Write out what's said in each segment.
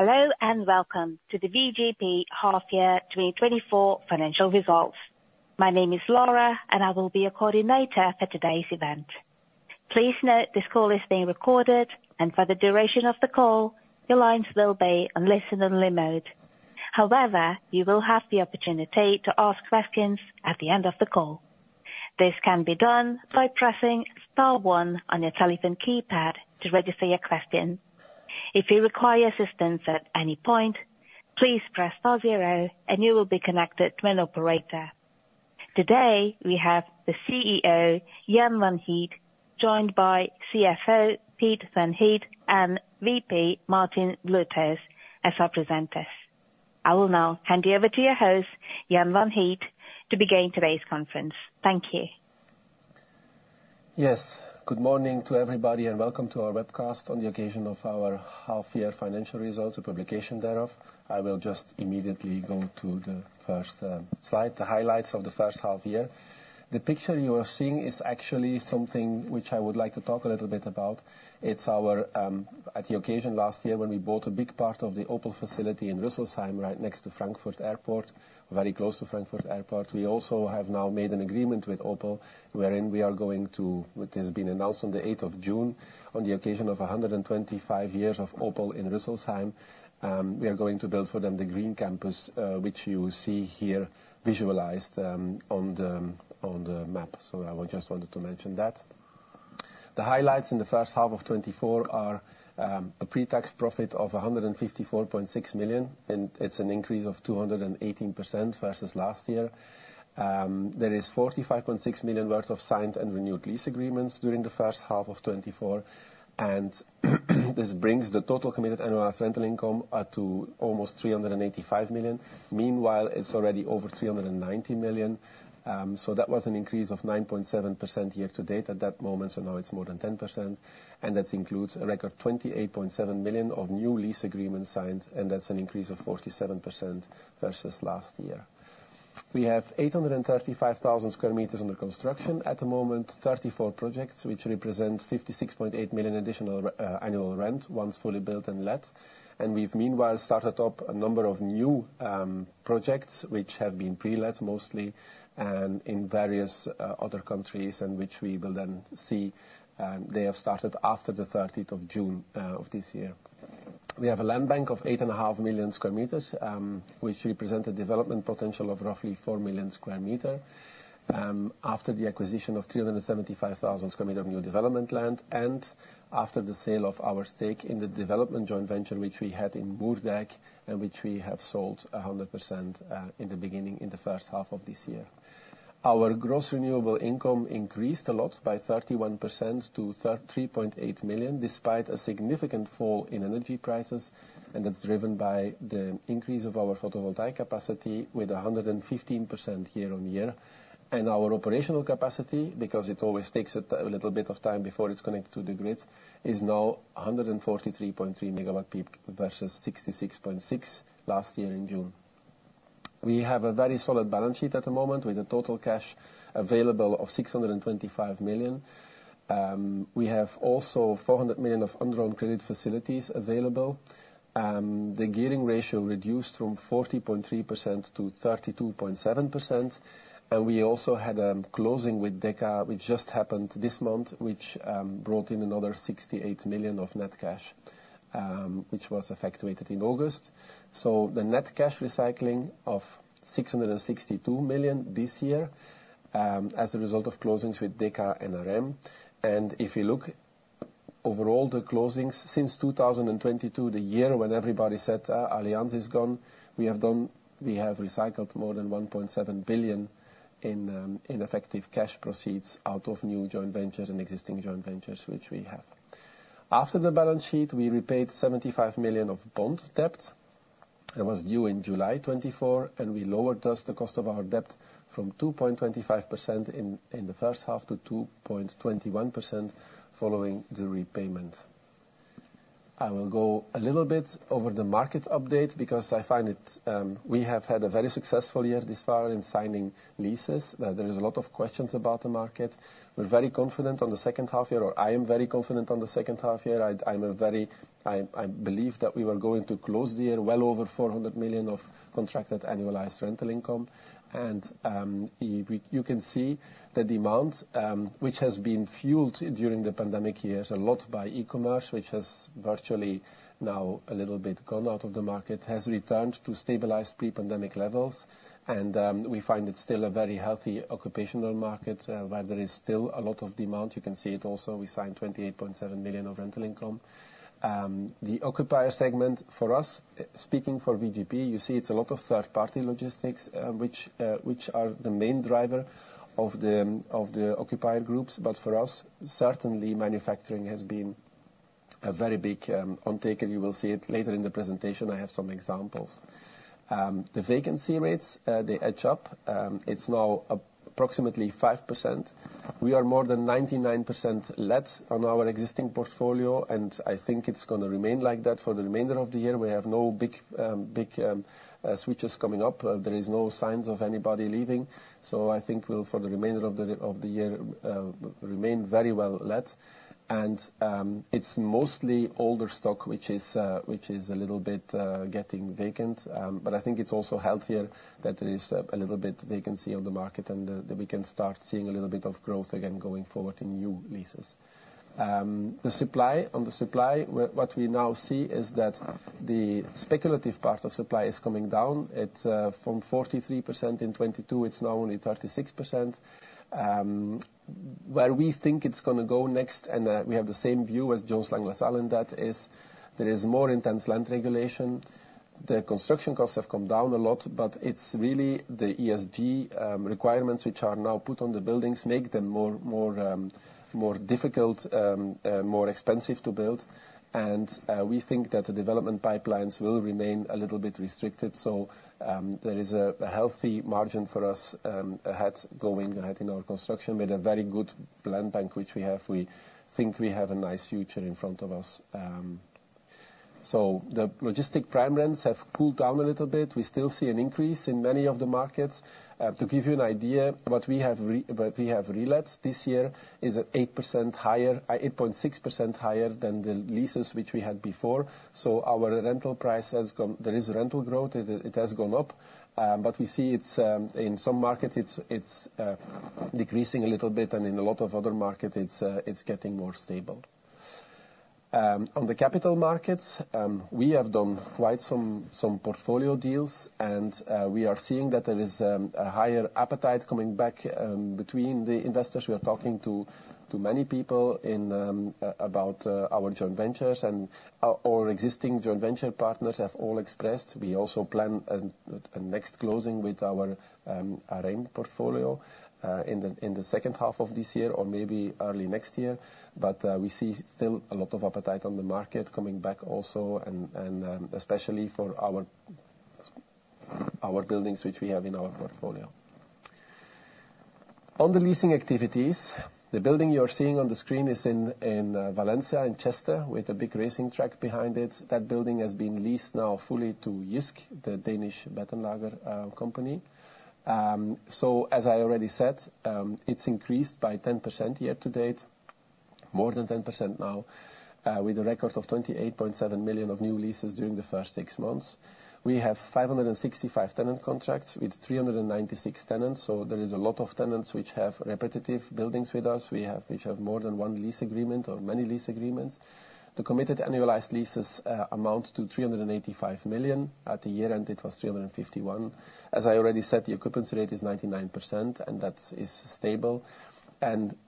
Hello, and welcome to the VGP half-year 2024 financial results. My name is Laura, and I will be your coordinator for today's event. Please note, this call is being recorded, and for the duration of the call, your lines will be on listen-only mode. However, you will have the opportunity to ask questions at the end of the call. This can be done by pressing star one on your telephone keypad to register your question. If you require assistance at any point, please press star zero, and you will be connected to an operator. Today, we have the CEO, Jan Van Geet, joined by CFO, Piet Van Geet, and VP, Martijn Vlutters, as our presenters. I will now hand you over to your host, Jan Van Geet, to begin today's conference. Thank you. Yes. Good morning to everybody, and welcome to our webcast on the occasion of our half-year financial results, a publication thereof. I will just immediately go to the first slide, the highlights of the first half year. The picture you are seeing is actually something which I would like to talk a little bit about. It's our... At the occasion last year, when we bought a big part of the Opel facility in Rüsselsheim, right next to Frankfurt Airport, very close to Frankfurt Airport, we also have now made an agreement with Opel, wherein we are going to, which has been announced on the 8th June, on the occasion of 125 years of Opel in Rüsselsheim, we are going to build for them the Green Campus, which you see here, visualized, on the map. I would just wanted to mention that. The highlights in the first half of 2024 are a pre-tax profit of 154.6 million, and it's an increase of 218% versus last year. There is 45.6 million worth of signed and renewed lease agreements during the first half of 2024, and this brings the total committed annual rental income to almost 385 million. Meanwhile, it's already over 390 million. So that was an increase of 9.7% year-to-date at that moment, so now it's more than 10%, and that includes a record 28.7 million of new lease agreements signed, and that's an increase of 47% versus last year. We have 835,000 sq m under construction. At the moment, 34 projects, which represent 56.8 million additional annual rent, once fully built and let. And we've meanwhile started up a number of new projects, which have been pre-let, mostly, and in various other countries, and which we will then see. They have started after the thirteenth of June of this year. We have a land bank of 8.5 illion sq m, which represent a development potential of roughly 4 million sq m. After the acquisition of 375,000 sq m of new development land, and after the sale of our stake in the development joint venture, which we had in Moerdijk, and which we have sold 100% in the beginning, in the first half of this year. Our gross renewable income increased a lot, by 31% to 3.8 million, despite a significant fall in energy prices, and that's driven by the increase of our photovoltaic capacity with 115% YoY. Our operational capacity, because it always takes a little bit of time before it's connected to the grid, is now 143.3 MW peak versus 66.6 MW last year in June. We have a very solid balance sheet at the moment, with a total cash available of 625 million. We have also 400 million of undrawn credit facilities available. The gearing ratio reduced from 40.3% to 32.7%, and we also had closing with Deka, which just happened this month, which brought in another 68 million of net cash, which was effectuated in August. So the net cash recycling of 662 million this year, as a result of closings with Deka and Areim. And if you look overall, the closings since 2022, the year when everybody said, "Ah, Allianz is gone," we have recycled more than 1.7 billion in effective cash proceeds out of new joint ventures and existing joint ventures, which we have. After the balance sheet, we repaid 75 million of bond debt that was due in July 2024, and we lowered thus the cost of our debt from 2.25% in the first half to 2.21% following the repayment. I will go a little bit over the market update because I find it. We have had a very successful year thus far in signing leases. There is a lot of questions about the market. We're very confident on the second half year, or I am very confident on the second half year. I believe that we were going to close the year well over 400 million of contracted annualized rental income. You can see the demand, which has been fueled during the pandemic years, a lot by e-commerce, which has virtually now a little bit gone out of the market, has returned to stabilized pre-pandemic levels. We find it's still a very healthy occupier market, where there is still a lot of demand. You can see it also; we signed 28.7 million of rental income. The occupier segment, for us, speaking for VGP, you see it's a lot of third-party logistics, which are the main driver of the occupier groups. But for us, certainly manufacturing has been a very big uptake, and you will see it later in the presentation. I have some examples. The vacancy rates, they edge up. It's now approximately 5%. We are more than 99% let on our existing portfolio, and I think it's gonna remain like that for the remainder of the year. We have no big switches coming up. There is no signs of anybody leaving, so I think we'll, for the remainder of the year, remain very well let, and it's mostly older stock, which is a little bit getting vacant. But I think it's also healthier that there is a little bit vacancy on the market, and that we can start seeing a little bit of growth again going forward in new leases. On the supply, what we now see is that the speculative part of supply is coming down. It's from 43% in 2022, it's now only 36%. Where we think it's gonna go next, and we have the same view as Jones Lang LaSalle in that there is more intense land regulation. The construction costs have come down a lot, but it's really the ESG requirements which are now put on the buildings make them more difficult, more expensive to build. And we think that the development pipelines will remain a little bit restricted, so there is a healthy margin for us ahead, going ahead in our construction. With a very good land bank which we have, we think we have a nice future in front of us. So the logistic prime rents have cooled down a little bit. We still see an increase in many of the markets. To give you an idea, what we have relets this year is at 8% higher, 8.6% higher than the leases which we had before. So our rental price has come. There is rental growth. It has gone up, but we see it's in some markets, it's decreasing a little bit, and in a lot of other markets, it's getting more stable. On the capital markets, we have done quite some portfolio deals, and we are seeing that there is a higher appetite coming back between the investors. We are talking to many people about our joint ventures, and our existing joint venture partners have all expressed. We also plan a next closing with our Areim portfolio in the second half of this year or maybe early next year. But we see still a lot of appetite on the market coming back also, and especially for our buildings which we have in our portfolio. On the leasing activities, the building you're seeing on the screen is in Valencia, in Cheste, with the big racing track behind it. That building has been leased now fully to JYSK, the Danish bed and lager company. So as I already said, it's increased by 10% year-to-date, more than 10% now, with a record of 28.7 million of new leases during the first six months. We have 565 tenant contracts with 396 tenants, so there is a lot of tenants which have repetitive buildings with us, which have more than one lease agreement or many lease agreements. The committed annualized leases amount to 385 million. At the year-end, it was 351 million. As I already said, the occupancy rate is 99%, and that is stable.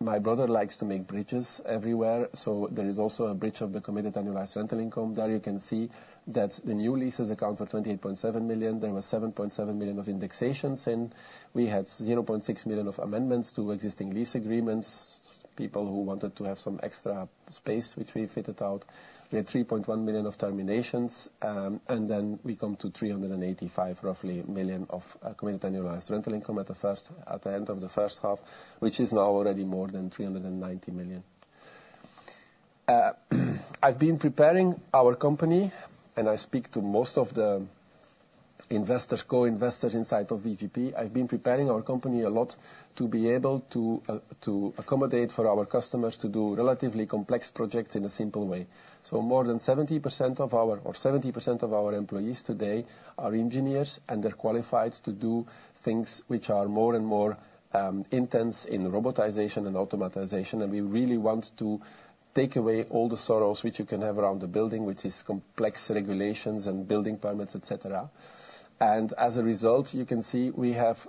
My brother likes to make bridges everywhere, so there is also a bridge of the committed annualized rental income. There, you can see that the new leases account for 28.7 million. There was 7.7 million of indexations, and we had 0.6 million of amendments to existing lease agreements, people who wanted to have some extra space, which we fitted out. We had 3.1 million of terminations, and then we come to 385, roughly, million of committed annualized rental income at the end of the first half, which is now already more than 390 million. I've been preparing our company, and I speak to most of the investors, co-investors inside of VGP. I've been preparing our company a lot to be able to accommodate for our customers to do relatively complex projects in a simple way. So more than 70% of our, or 70% of our employees today are engineers, and they're qualified to do things which are more and more intense in robotization and automation. And we really want to take away all the sorrows which you can have around a building, which is complex regulations and building permits, et cetera. As a result, you can see we have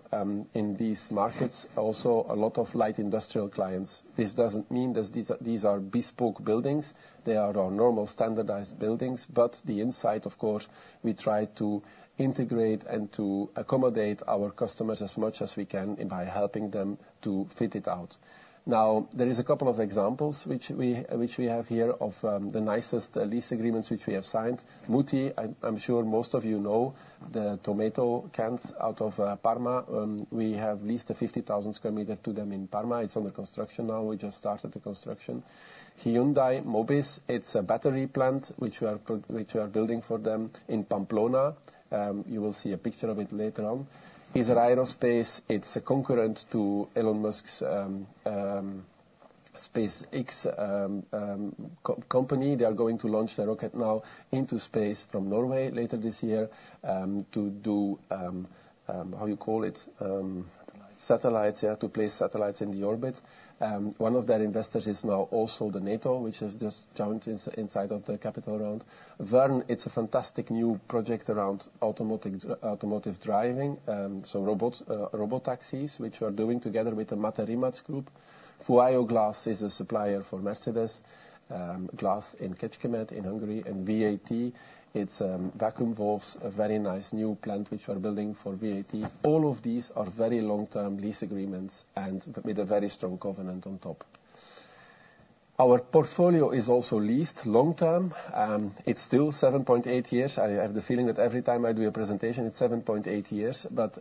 in these markets also a lot of light industrial clients. This doesn't mean that these are bespoke buildings. They are our normal standardized buildings, but the inside, of course, we try to integrate and to accommodate our customers as much as we can by helping them to fit it out. Now, there is a couple of examples which we have here of the nicest lease agreements which we have signed. Mutti, I'm sure most of you know the tomato cans out of Parma. We have leased a 50,000 sq m to them in Parma. It's under construction now. We just started the construction. Hyundai Mobis, it's a battery plant which we are building for them in Pamplona. You will see a picture of it later on. Isar Aerospace, it's a competitor to Elon Musk's SpaceX company. They are going to launch a rocket now into space from Norway later this year, to do, how you call it? Satellites. Satellites, yeah, to place satellites in the orbit. One of their investors is now also NATO, which has just joined inside of the capital round. Verne, it's a fantastic new project around automotive driving, so robots, robot taxis, which we are doing together with the Rimac Group. Fuyao Glass is a supplier for Mercedes, glass in Kecskemét, in Hungary. And VAT, it's vacuum valves, a very nice new plant which we're building for VAT. All of these are very long-term lease agreements, and with a very strong covenant on top. Our portfolio is also leased long term, it's still 7.8 years. I have the feeling that every time I do a presentation, it's 7.8 years, but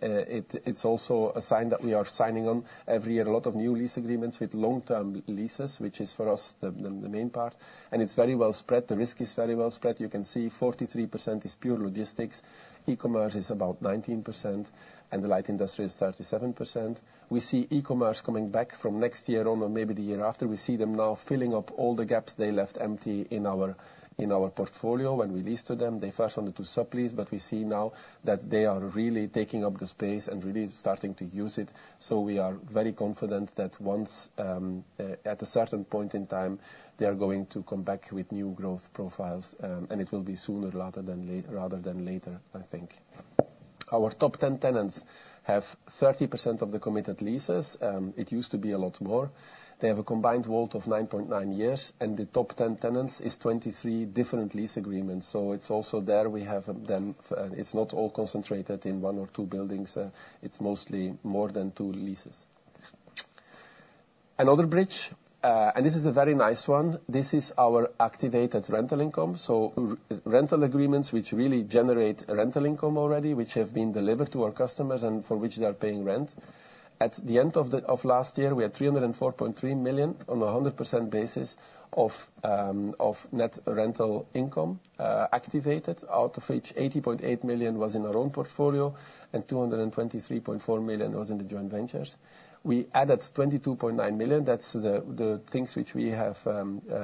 it's also a sign that we are signing on every year a lot of new lease agreements with long-term leases, which is, for us, the main part, and it's very well spread. The risk is very well spread. You can see 43% is pure logistics, e-commerce is about 19%, and the light industry is 37%. We see e-commerce coming back from next year on, or maybe the year after. We see them now filling up all the gaps they left empty in our portfolio when we leased to them. They first wanted to sublease, but we see now that they are really taking up the space and really starting to use it. So we are very confident that once at a certain point in time, they are going to come back with new growth profiles, and it will be sooner rather than later, I think. Our top ten tenants have 30% of the committed leases. It used to be a lot more. They have a combined WALT of 9.9 years, and the top ten tenants is 23 different lease agreements. So it's also there we have them. It's not all concentrated in one or two buildings. It's mostly more than two leases. Another bridge, and this is a very nice one. This is our activated rental income, so rental agreements which really generate rental income already, which have been delivered to our customers and for which they are paying rent. At the end of last year, we had 304.3 million on a 100% basis of net rental income, activated, out of which 80.8 million was in our own portfolio, and 223.4 million was in the joint ventures. We added 22.9 million. That's the things which we have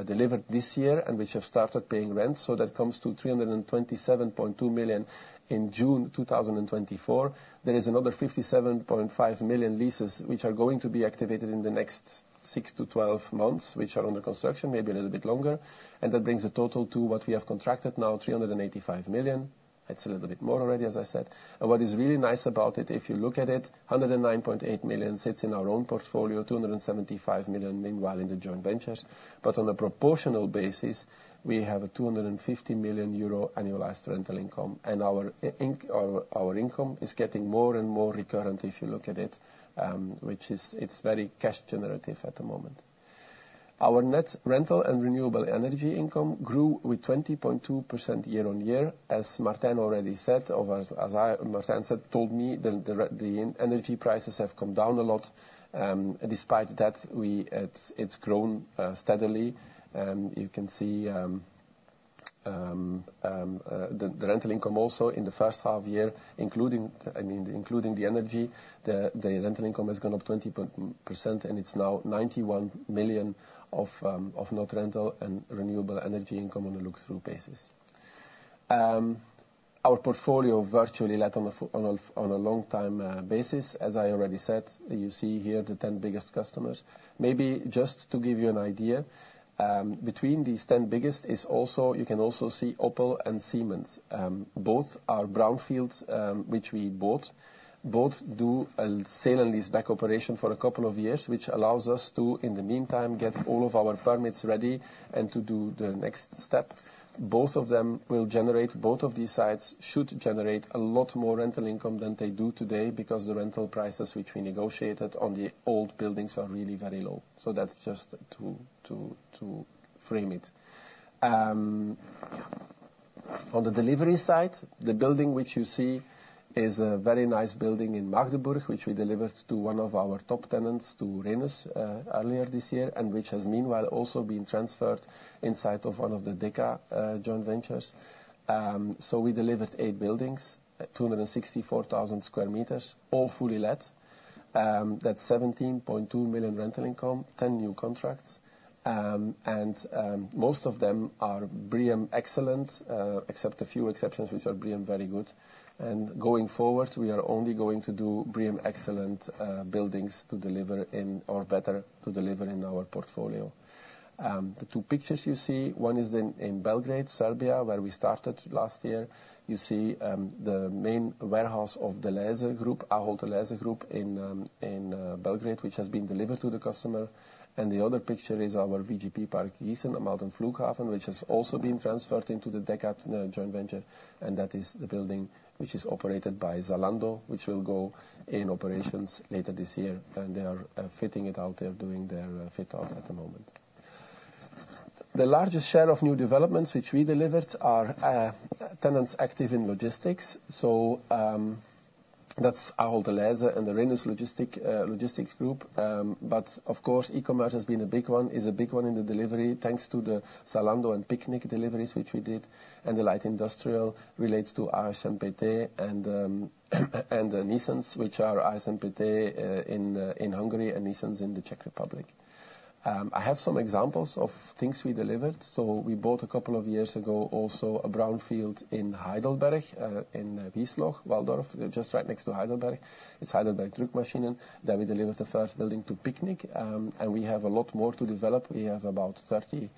delivered this year and which have started paying rent, so that comes to 327.2 million in June 2024. There is another 57.5 million leases which are going to be activated in the next 6-12 months, which are under construction, maybe a little bit longer. That brings the total to what we have contracted now, 385 million. It's a little bit more already, as I said. What is really nice about it, if you look at it, 109.8 million sits in our own portfolio, 275 million meanwhile in the joint ventures. But on a proportional basis, we have a 250 million euro annualized rental income, and our income is getting more and more recurrent if you look at it, which is. It's very cash generative at the moment. Our net rental and renewable energy income grew with 20.2% YoY. As Martijn already said, or as Martijn said, told me, the energy prices have come down a lot. Despite that, it's grown steadily. You can see the rental income also in the first half year, including, I mean, including the energy, the rental income has gone up 20%, and it's now 91 million of net rental and renewable energy income on a look-through basis. Our portfolio virtually let on a long time basis. As I already said, you see here the 10 biggest customers. Maybe just to give you an idea, between these 10 biggest is also, you can also see Opel and Siemens. Both are brownfields which we bought. Both do a sale-and-leaseback operation for a couple of years, which allows us to, in the meantime, get all of our permits ready and to do the next step. Both of these sites should generate a lot more rental income than they do today because the rental prices which we negotiated on the old buildings are really very low. So that's just to frame it. On the delivery side, the building which you see is a very nice building in Magdeburg, which we delivered to one of our top tenants, to Rhenus, earlier this year, and which has meanwhile also been transferred inside of one of the Deka joint ventures. So we delivered eight buildings, 264,000 sq m, all fully let. That's 17.2 million rental income, 10 new contracts, and most of them are BREEAM Excellent, except a few exceptions, which are BREEAM Very Good. Going forward, we are only going to do BREEAM Excellent buildings to deliver in, or better, to deliver in our portfolio. The two pictures you see, one is in Belgrade, Serbia, where we started last year. You see, the main warehouse of Delhaize Group, Ahold Delhaize Group, in Belgrade, which has been delivered to the customer. And the other picture is our VGP Park Gießen am Alten Flughafen, which has also been transferred into the Deka joint venture, and that is the building which is operated by Zalando, which will go in operations later this year, and they are fitting it out. They are doing their fit-out at the moment. The largest share of new developments which we delivered are tenants active in logistics, so that's Ahold Delhaize and the Rhenus Logistics. But of course, e-commerce has been a big one, is a big one in the delivery, thanks to the Zalando and Picnic deliveries which we did, and the light industrial relates to H&M and the Nissens, which are H&M in Hungary and Nissens in the Czech Republic. I have some examples of things we delivered. So we bought a couple of years ago, also a brownfield in Heidelberg, in Wiesloch, Walldorf, just right next to Heidelberg. It's Heidelberger Druckmaschinen, that we delivered the first building to Picnic, and we have a lot more to develop. We have about 30, we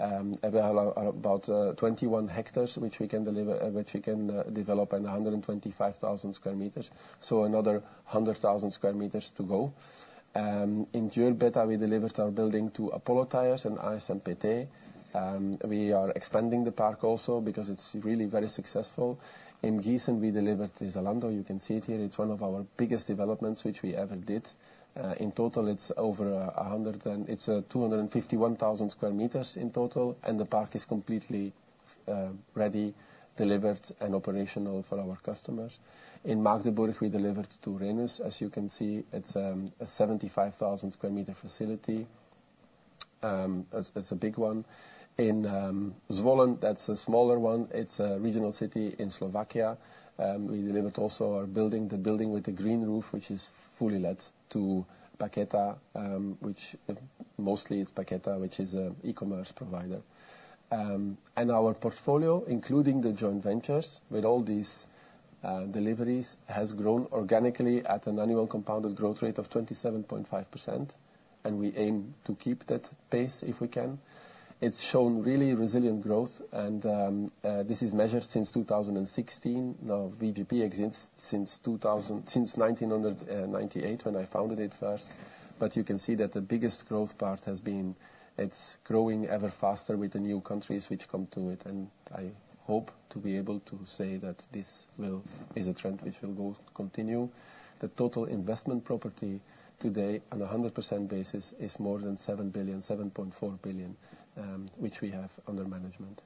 have about 21 hectares, which we can deliver, which we can develop, and 125,000 sq m, so another 100,000 sq m to go. In Gyöngyös, we delivered our building to Apollo Tyres and H&M. We are expanding the park also because it's really very successful. In Gießen, we delivered to Zalando. You can see it here. It's one of our biggest developments which we ever did. In total, it's over 100,000 sq m its 251,000 sq m in total, and the park is completely let, ready, delivered, and operational for our customers. In Magdeburg, we delivered to Rhenus. As you can see, it's a 75,000 sq m facility. It's a big one. In Zvolen, that's a smaller one. It's a regional city in Slovakia. We delivered also our building, the building with the green roof, which is fully let to Packeta, which mostly is Packeta, which is a e-commerce provider. And our portfolio, including the joint ventures, with all these, deliveries, has grown organically at an annual compounded growth rate of 27.5%, and we aim to keep that pace if we can. It's shown really resilient growth, and, this is measured since 2016. Now, VGP exists since two thousand- since 1998, when I founded it first. But you can see that the biggest growth part has been, it's growing ever faster with the new countries which come to it, and I hope to be able to say that this will... is a trend which will go, continue. The total investment property today on a 100% basis is more than 7 billion, 7.4 billion, which we have under management.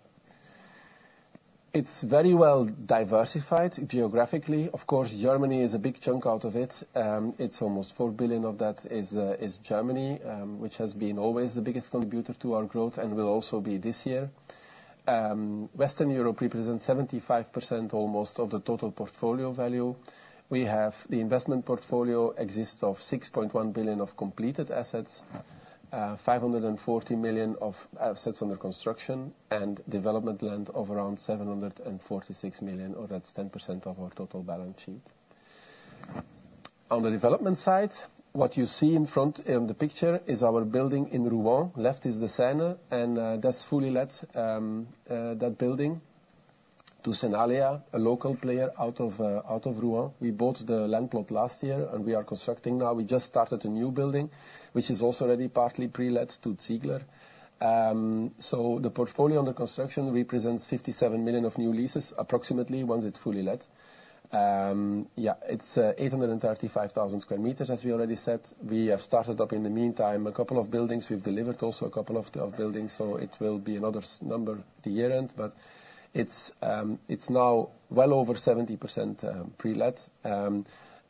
It's very well diversified geographically. Of course, Germany is a big chunk out of it, it's almost 4 billion of that is Germany, which has been always the biggest contributor to our growth and will also be this year. Western Europe represents 75% almost of the total portfolio value. We have the investment portfolio exists of 6.1 billion of completed assets, 540 million of assets under construction, and development land of around 746 million, or that's 10% of our total balance sheet. On the development side, what you see in front in the picture is our building in Rouen. Left is the Seine, and that's fully let, that building to Sénalia, a local player out of Rouen. We bought the land plot last year, and we are constructing now. We just started a new building, which is also already partly pre-let to Ziegler. So the portfolio under construction represents 57 million of new leases, approximately, once it's fully let. Yeah, it's 835,000 sq m, as we already said. We have started up, in the meantime, a couple of buildings. We've delivered also a couple of buildings, so it will be another number at the year-end. But it's now well over 70% pre-let.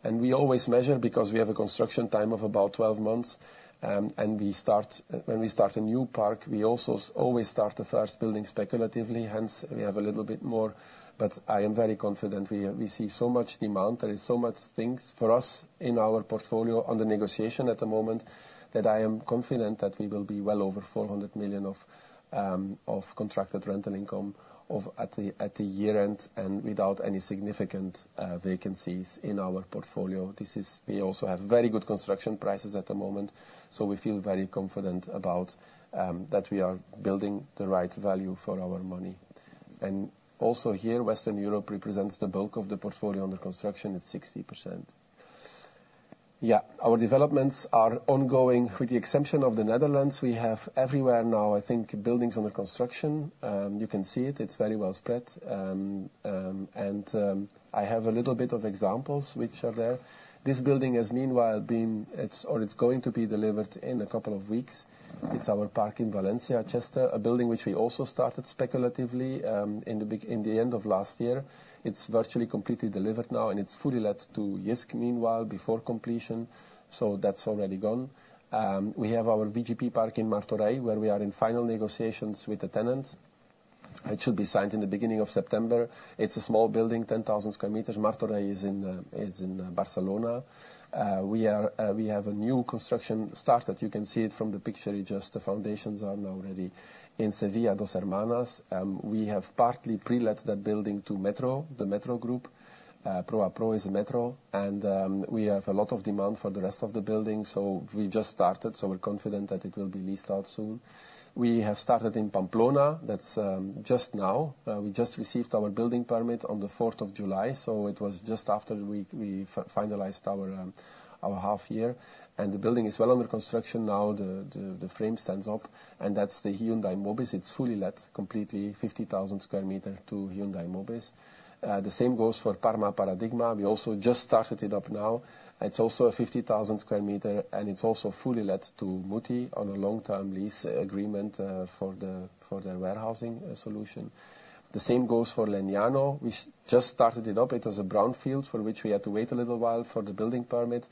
And we always measure because we have a construction time of about 12 months, and we start. When we start a new park, we also always start the first building speculatively, hence we have a little bit more. But I am very confident. We see so much demand. There is so much things for us in our portfolio under negotiation at the moment, that I am confident that we will be well over 400 million of contracted rental income at the year-end and without any significant vacancies in our portfolio. We also have very good construction prices at the moment, so we feel very confident about that we are building the right value for our money. And also, here, Western Europe represents the bulk of the portfolio under construction at 60%. Yeah, our developments are ongoing. With the exception of the Netherlands, we have everywhere now, I think, buildings under construction. You can see it, it's very well spread. And I have a little bit of examples which are there. This building has meanwhile been, it's going to be delivered in a couple of weeks. It's our park in Valencia, Cheste, a building which we also started speculatively in the end of last year. It's virtually completely delivered now, and it's fully let to JYSK meanwhile, before completion, so that's already gone. We have our VGP park in Martorell, where we are in final negotiations with the tenant. It should be signed in the beginning of September. It's a small building, 10,000 sq m. martorell is in Barcelona. We are, we have a new construction started. You can see it from the picture; it's just the foundations that are now ready. In Seville, Dos Hermanas, we have partly pre-let that building to Metro, the Metro Group. Pro a Pro is Metro, and we have a lot of demand for the rest of the building, so we just started, so we're confident that it will be leased out soon. We have started in Pamplona. That's just now. We just received our building permit on the fourth of July, so it was just after we finalized our half year, and the building is well under construction now. The frame stands up, and that's the Hyundai Mobis. It's fully let, completely, 50,000 sq m to Hyundai Mobis. The same goes for Parma Paradigna. We also just started it up now. It's also a 50,000 sq m, and it's also fully let to Mutti on a long-term lease agreement, for their warehousing solution. The same goes for Legnano. We just started it up. It was a brownfield, for which we had to wait a little while for the building permit.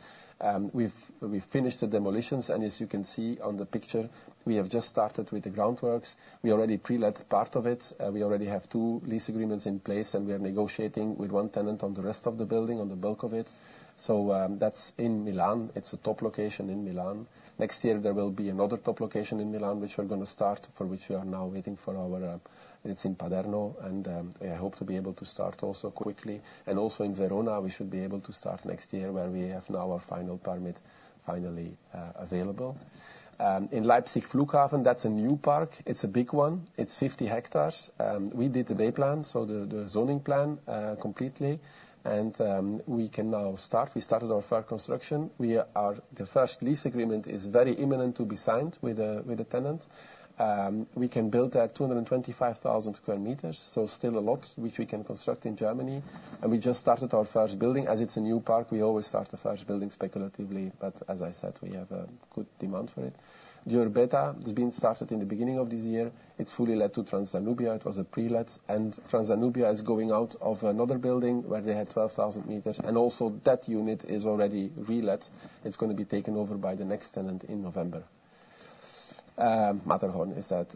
We've finished the demolitions, and as you can see on the picture, we have just started with the groundworks. We already pre-let part of it. We already have two lease agreements in place, and we are negotiating with one tenant on the rest of the building, on the bulk of it. So, that's in Milan. It's a top location in Milan. Next year, there will be another top location in Milan, which we're going to start, for which we are now waiting for our... It's in Paderno, and I hope to be able to start also quickly. Also in Verona, we should be able to start next year, where we have now our final permit finally available. In Leipzig Flughafen, that's a new park. It's a big one. It's 50 hectares. We did the Bebauungsplan, so the zoning plan, completely, and we can now start. We started our first construction. Our first lease agreement is very imminent to be signed with a tenant. We can build there 225,000 sq m, so still a lot which we can construct in Germany. And we just started our first building. As it's a new park, we always start the first building speculatively, but as I said, we have a good demand for it. Béta has been started in the beginning of this year. It's fully let to Transdanubia. It was a pre-let, and Transdanubia is going out of another building, where they had 12,000 meters, and also that unit is already re-let. It's going to be taken over by the next tenant in November. [Matterhorn] is that.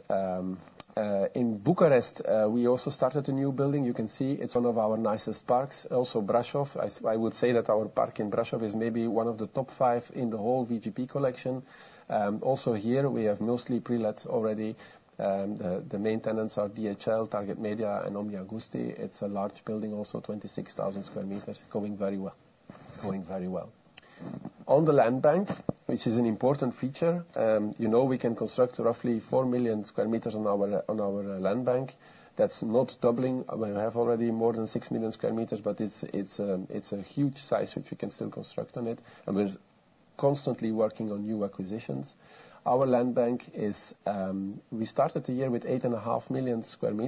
In Bucharest, we also started a new building. You can see it's one of our nicest parks. Also Brașov, I would say that our park in Brașov is maybe one of the top five in the whole VGP collection. Also here, we have mostly pre-lets already, and the main tenants are DHL, Temad, and Amigo & Intercost. It's a large building, also 26,000 sq m, going very well. On the land bank, which is an important feature, you know we can construct roughly 4 million sq m on our land bank. That's not doubling. We have already more than 6 million sq m, but it's a huge size which we can still construct on it, and we're constantly working on new acquisitions. Our land bank is. We started the year with 8.5 million sq m.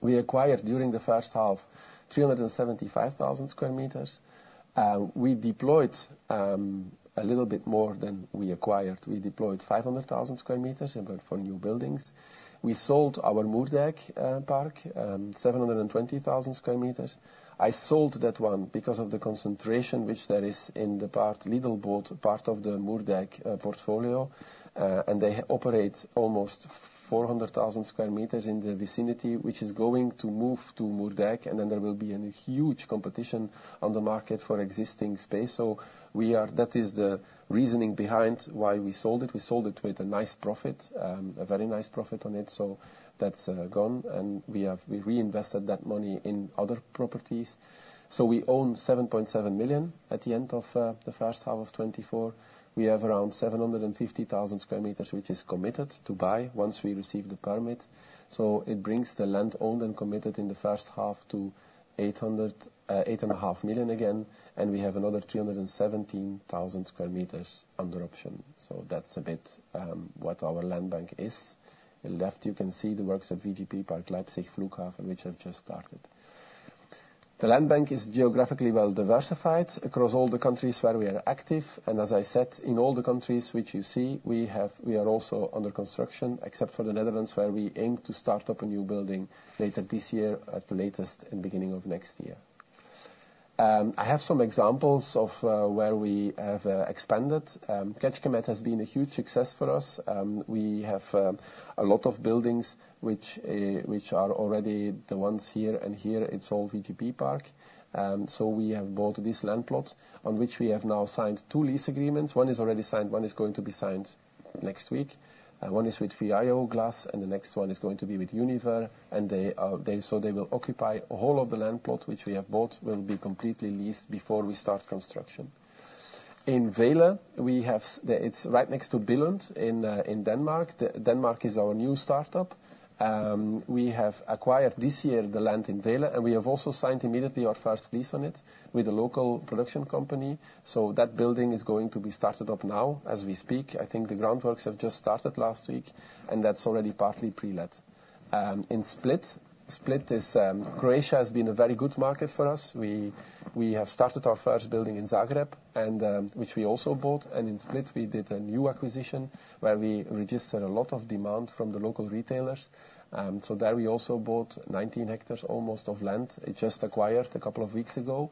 we acquired, during the first half, 375,000 sq m. we deployed a little bit more than we acquired. We deployed 500,000 sq m and built four new buildings. We sold our Moerdijk park 720,000 sq m. I sold that one because of the concentration which there is in the part... Lidl bought part of the Moerdijk portfolio, and they operate almost 400,000 sq m in the vicinity, which is going to move to Moerdijk, and then there will be a huge competition on the market for existing space. That is the reasoning behind why we sold it. We sold it with a nice profit, a very nice profit on it, so that's gone, and we have. We reinvested that money in other properties. So we own 7.7 million sq m at the end of the first half of 2024. We have around 750,000 sq m, which is committed to buy once we receive the permit. So it brings the land owned and committed in the first half to 8.5 million sq magain, and we have another 317,000 sq m under option. So that's a bit, what our land bank is. On the left, you can see the works of VGP Park Leipzig Flughafen, which have just started. The land bank is geographically well diversified across all the countries where we are active, and as I said, in all the countries which you see, we are also under construction, except for the Netherlands, where we aim to start up a new building later this year, at the latest, in the beginning of next year. I have some examples of where we have expanded. Kecskemét has been a huge success for us. We have a lot of buildings, which are already the ones here, and here, it's all VGP Park. So we have bought this land plot, on which we have now signed two lease agreements. One is already signed, one is going to be signed next week. One is with Fuyao Glass, and the next one is going to be with Univer, and they, they. So they will occupy all of the land plot which we have bought, will be completely leased before we start construction. In Vejle, it's right next to Billund in Denmark. Denmark is our new startup. We have acquired this year the land in Vejle, and we have also signed immediately our first lease on it with a local production company. So that building is going to be started up now, as we speak. I think the groundworks have just started last week, and that's already partly pre-let. In Split, Croatia has been a very good market for us. We have started our first building in Zagreb, and which we also bought, and in Split, we did a new acquisition where we registered a lot of demand from the local retailers. So there we also bought nineteen hectares, almost, of land, just acquired a couple of weeks ago.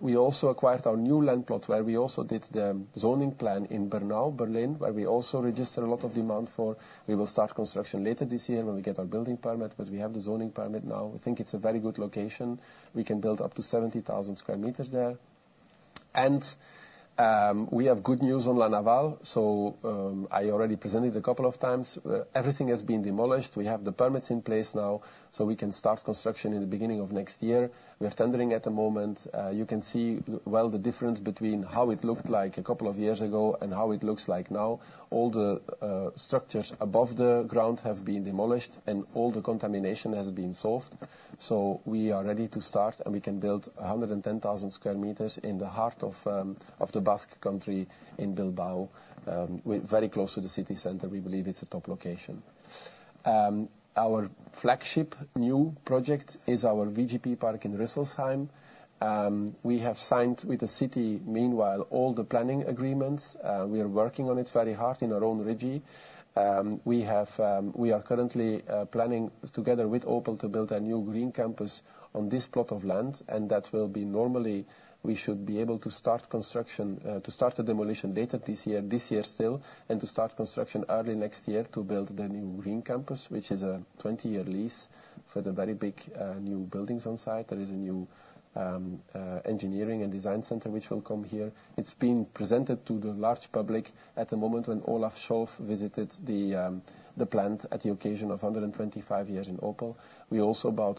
We also acquired our new land plot, where we also did the zoning plan in Bernau, Berlin, where we also registered a lot of demand for. We will start construction later this year when we get our building permit, but we have the zoning permit now. We think it's a very good location. We can build up to 70,000 sq m there, and we have good news on La Naval, so I already presented a couple of times. Everything has been demolished. We have the permits in place now, so we can start construction in the beginning of next year. We are tendering at the moment. You can see well the difference between how it looked like a couple of years ago and how it looks like now. All the structures above the ground have been demolished, and all the contamination has been solved. We are ready to start, and we can build 110,000 sq m in the heart of the Basque Country in Bilbao, with very close to the city center. We believe it's a top location. Our flagship new project is our VGP Park in Rüsselsheim. We have signed with the city, meanwhile, all the planning agreements. We are working on it very hard in our own region. We are currently planning together with Opel to build a new Green Campus on this plot of land, and that will be normally, we should be able to start construction, to start the demolition later this year, this year still, and to start construction early next year to build the new Green Campus, which is a 20-year lease for the very big, new buildings on site. There is a new engineering and design center which will come here. It's been presented to the large public at the moment when Olaf Scholz visited the plant at the occasion of 125 years in Opel. We also bought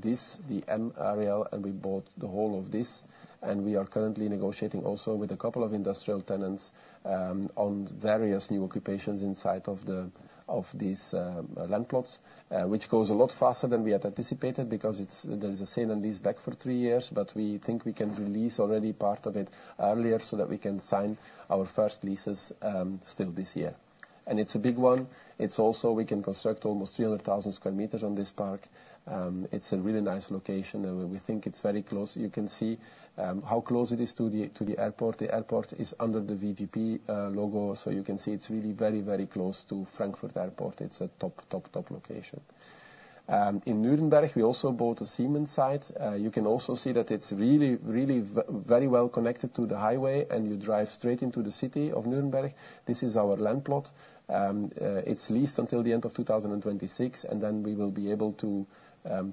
this, the M-Areal, and we bought the whole of this, and we are currently negotiating also with a couple of industrial tenants on various new occupations inside of these land plots. Which goes a lot faster than we had anticipated because there is a sale-and-leaseback for three years, but we think we can release already part of it earlier so that we can sign our first leases still this year. And it's a big one. It's also we can construct almost 300,000 sq m on this park. It's a really nice location, and we think it's very close. You can see how close it is to the airport. The airport is under the VGP logo. So you can see it's really very, very close to Frankfurt Airport. It's a top, top, top location. In Nuremberg, we also bought a Siemens site. You can also see that it's really, really very well connected to the highway, and you drive straight into the city of Nuremberg. This is our land plot, and it's leased until the end of 2026, and then we will be able to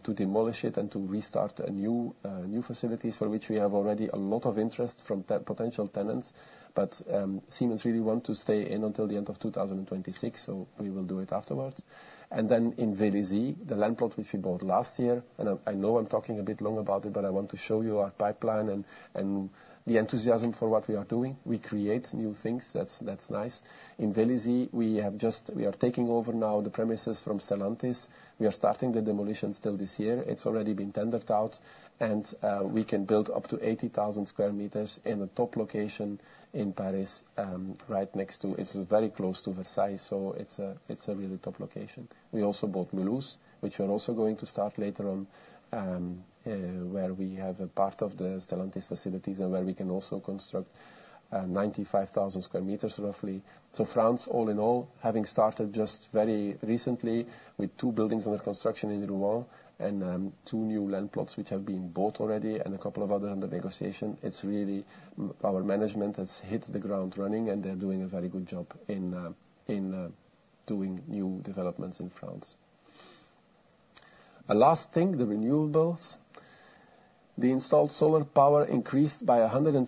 to demolish it and to restart a new facilities, for which we have already a lot of interest from potential tenants. But Siemens really want to stay in until the end of 2026, so we will do it afterwards. Then in Vélizy, the land plot which we bought last year, and I know I'm talking a bit long about it, but I want to show you our pipeline and the enthusiasm for what we are doing. We create new things. That's nice. In Vélizy, we are taking over now the premises from Stellantis. We are starting the demolition still this year. It's already been tendered out, and we can build up to 80,000 sq m in a top location in Paris. It's very close to Versailles, so it's a really top location. We also bought Mulhouse, which we're also going to start later on, where we have a part of the Stellantis facilities and where we can also construct 95,000 sq m, roughly. So, France, all in all, having started just very recently with two buildings under construction in Rouen and two new land plots which have been bought already and a couple of other under negotiation, it's really our management has hit the ground running, and they're doing a very good job in doing new developments in France. A last thing, the renewables. The installed solar power increased by 115%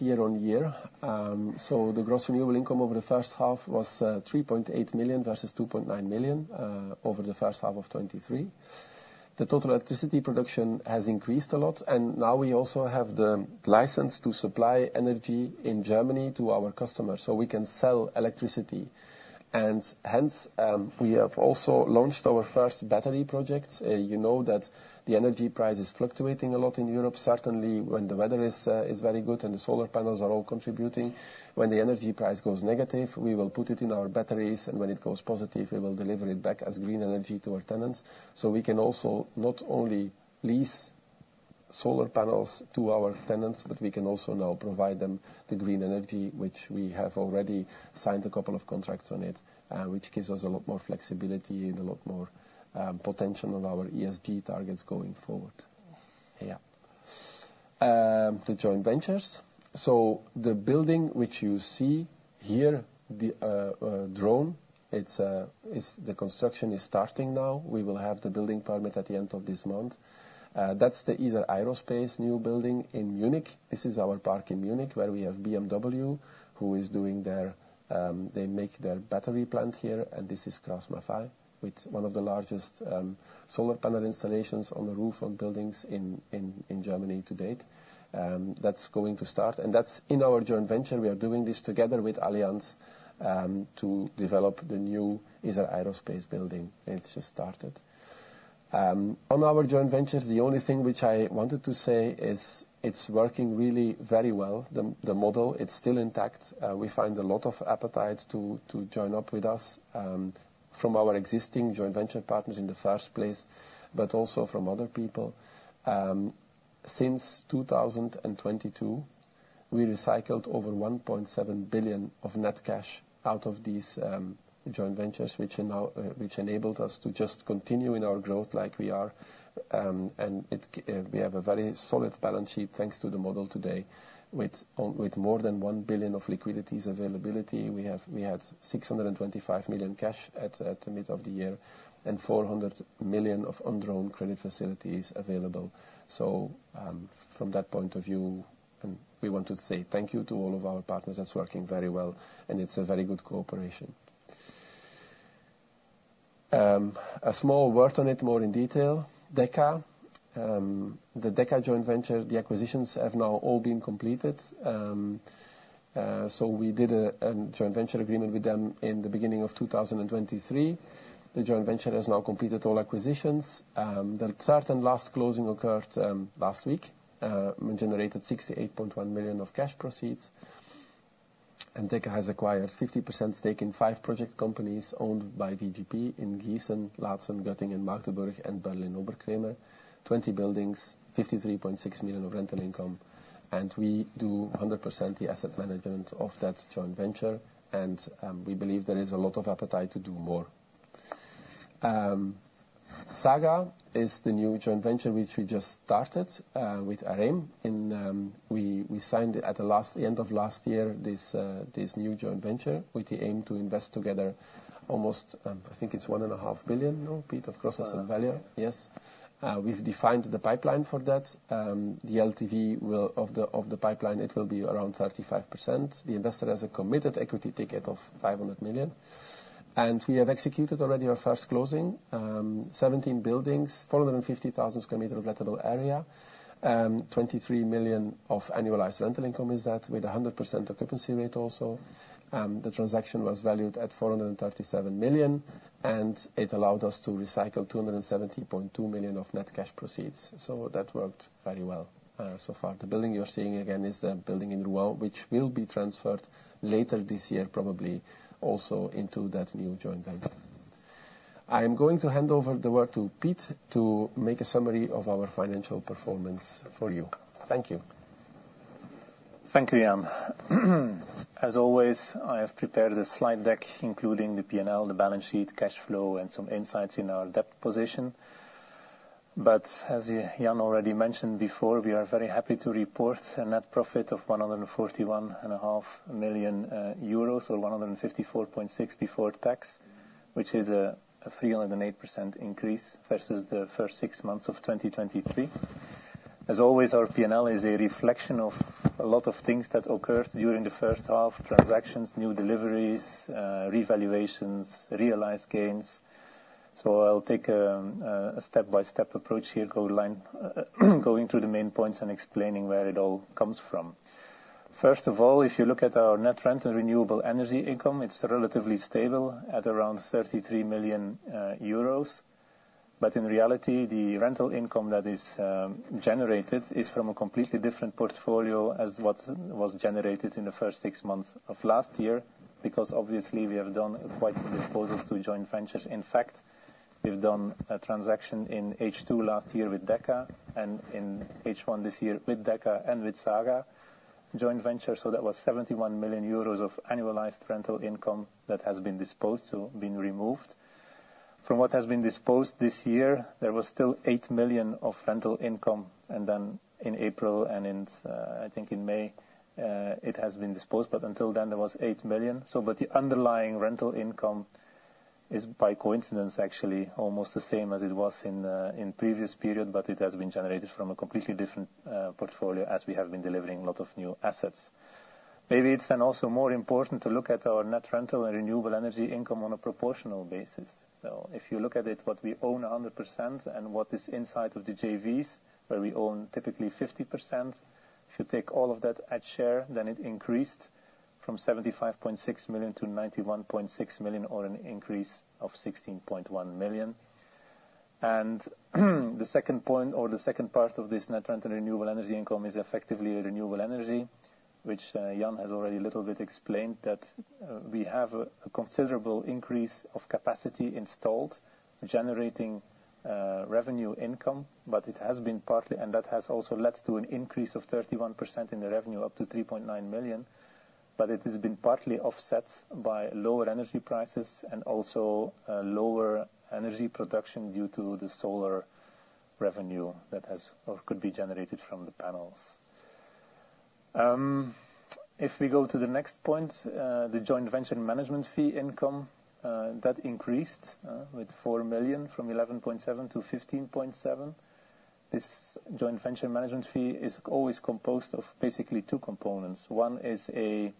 YoY. So the gross renewable income over the first half was 3.8 million versus 2.9 million over the first half of 2023. The total electricity production has increased a lot, and now we also have the license to supply energy in Germany to our customers, so we can sell electricity. And hence, we have also launched our first battery project. You know that the energy price is fluctuating a lot in Europe. Certainly, when the weather is very good, and the solar panels are all contributing, when the energy price goes negative, we will put it in our batteries, and when it goes positive, we will deliver it back as green energy to our tenants. So we can also not only lease solar panels to our tenants, but we can also now provide them the green energy, which we have already signed a couple of contracts on it, which gives us a lot more flexibility and a lot more potential on our ESG targets going forward. Yeah. The joint ventures, so the building which you see here, the drone. The construction is starting now. We will have the building permit at the end of this month. That's the Isar Aerospace new building in Munich. This is our park in Munich, where we have BMW, who is doing their. They make their battery plant here, and this is KraussMaffei, with one of the largest solar panel installations on the roof of buildings in Germany to date. That's going to start, and that's in our joint venture. We are doing this together with Allianz to develop the new Isar Aerospace building. It's just started. On our joint ventures, the only thing which I wanted to say is it's working really very well. The model, it's still intact. We find a lot of appetite to join up with us from our existing joint venture partners in the first place, but also from other people. Since two thousand and twenty-two, we recycled over 1.7 billion of net cash out of these joint ventures, which enabled us to just continue in our growth like we are. And it, we have a very solid balance sheet, thanks to the model today, with more than 1 billion of liquidities availability. We had 625 million cash at the mid of the year and 400 million of undrawn credit facilities available. So, from that point of view, we want to say thank you to all of our partners. It's working very well, and it's a very good cooperation. A small word on it, more in detail. Deka. The Deka joint venture, the acquisitions have now all been completed. We did a joint venture agreement with them in the beginning of 2023. The joint venture has now completed all acquisitions. The last closing occurred last week and generated 68.1 million of cash proceeds. Deka has acquired 50% stake in 5 project companies owned by VGP in Gießen, Laatzen, Göttingen, Magdeburg, and Berlin-Oberkrämer. 20 buildings, 53.6 million of rental income, and we do 100% the asset management of that joint venture, and we believe there is a lot of appetite to do more. Saga is the new joint venture which we just started with Areim. We signed at the end of last year this new joint venture with the aim to invest together almost 1.5 million, no, Piet, of gross asset value? Yes. Yes. We've defined the pipeline for that. The LTV will... Of the, of the pipeline, it will be around 35%. The investor has a committed equity ticket of 500 million, and we have executed already our first closing. 17 buildings, 450,000 sq m of lettable area, 23 million of annualized rental income is that, with a 100% occupancy rate also. The transaction was valued at 437 million, and it allowed us to recycle 270.2 million of net cash proceeds, so that worked very well, so far. The building you're seeing, again, is the building in Rouen, which will be transferred later this year, probably also into that new joint venture. I'm going to hand over the word to Piet to make a summary of our financial performance for you. Thank you.... Thank you, Jan. As always, I have prepared a slide deck, including the PNL, the balance sheet, cash flow, and some insights in our debt position. But as Jan already mentioned before, we are very happy to report a net profit of 141.5 million euros, or 154.6 million before tax, which is a 308% increase versus the first six months of 2023. As always, our PNL is a reflection of a lot of things that occurred during the first six months: transactions, new deliveries, revaluations, realized gains. So I'll take a step-by-step approach here, gold line, going through the main points and explaining where it all comes from. First of all, if you look at our net rent and renewable energy income, it's relatively stable at around 33 million euros. But in reality, the rental income that is generated is from a completely different portfolio as what was generated in the first six months of last year, because obviously, we have done quite some disposals to joint ventures. In fact, we've done a transaction in H2 last year with Deka, and in H1 this year, with Deka and with Saga joint venture, so that was 71 million euros of annualized rental income that has been disposed to, been removed. From what has been disposed this year, there was still eight million of rental income, and then in April, I think in May, it has been disposed, but until then, there was eight million. So, but the underlying rental income is, by coincidence, actually almost the same as it was in previous period, but it has been generated from a completely different portfolio as we have been delivering a lot of new assets. Maybe it's then also more important to look at our net rental and renewable energy income on a proportional basis, though. If you look at it, what we own 100% and what is inside of the JVs, where we own typically 50%, if you take all of that at share, then it increased from 75.6 million to 91.6 million, or an increase of 16.1 million. The second point or the second part of this net rent and renewable energy income is effectively renewable energy, which Jan has already a little bit explained, that we have a considerable increase of capacity installed, generating revenue income. That has also led to an increase of 31% in the revenue, up to 3.9 million, but it has been partly offset by lower energy prices and also lower energy production due to the solar revenue that has or could be generated from the panels. If we go to the next point, the joint venture management fee income that increased with 4 million from 11.7 to 15.7. This joint venture management fee is always composed of basically two components. One is an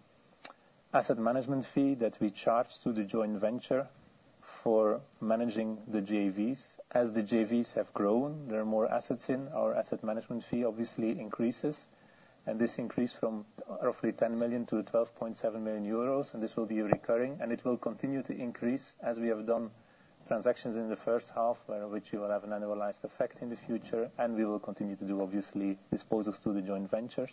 asset management fee that we charge to the joint venture for managing the JVs. As the JVs have grown, there are more assets in. Our asset management fee obviously increases, and this increased from roughly 10 million to 12.7 million euros, and this will be recurring, and it will continue to increase as we have done transactions in the first half, by which we will have an annualized effect in the future, and we will continue to do, obviously, disposals to the joint ventures.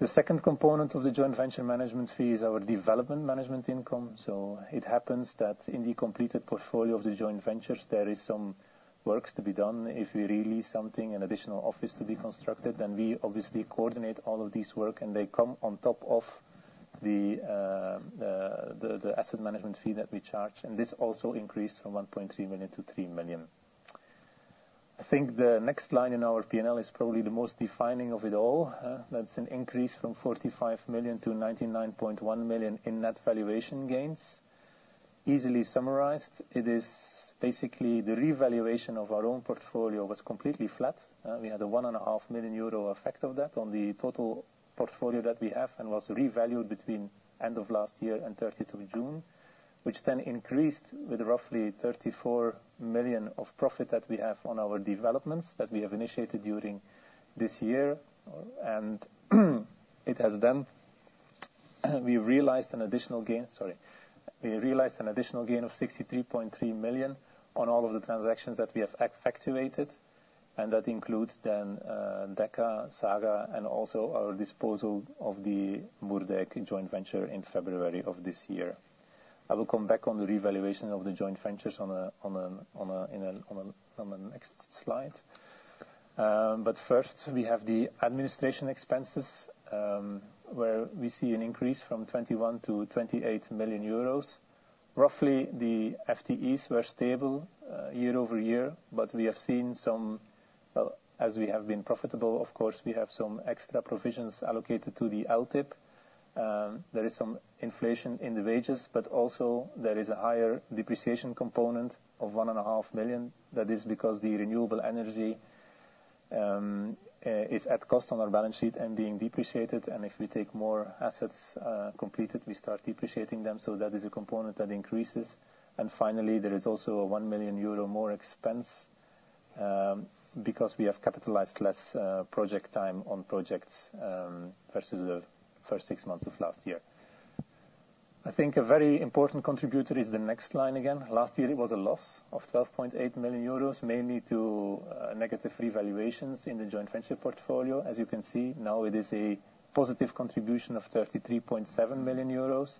The second component of the joint venture management fee is our development management income. So it happens that in the completed portfolio of the joint ventures, there is some works to be done. If we release something, an additional office to be constructed, then we obviously coordinate all of this work, and they come on top of the asset management fee that we charge, and this also increased from 1.3 million to 3 million. I think the next line in our PNL is probably the most defining of it all. That's an increase from 45 million to 99.1 million in net valuation gains. Easily summarized, it is basically the revaluation of our own portfolio was completely flat. We had a 1.5 million euro effect of that on the total portfolio that we have and was revalued between end of last year and 30 June, which then increased with roughly 34 million of profit that we have on our developments that we have initiated during this year. We realized an additional gain, sorry, we realized an additional gain of 63.3 million on all of the transactions that we have effectuated, and that includes then, Deka, Saga, and also our disposal of the Moerdijk joint venture in February of this year. I will come back on the revaluation of the joint ventures on the next slide. But first, we have the administration expenses, where we see an increase from 21 million to 28 million euros. Roughly, the FTEs were stable year over year, but we have seen some, as we have been profitable, of course, we have some extra provisions allocated to the LTIP. There is some inflation in the wages, but also there is a higher depreciation component of 1.5 million. That is because the renewable energy is at cost on our balance sheet and being depreciated, and if we take more assets completed, we start depreciating them, so that is a component that increases. And finally, there is also a 1 million euro more expense because we have capitalized less project time on projects versus the first six months of last year. I think a very important contributor is the next line again. Last year, it was a loss of 12.8 million euros, mainly to negative revaluations in the joint venture portfolio. As you can see, now it is a positive contribution of 33.7 million euros.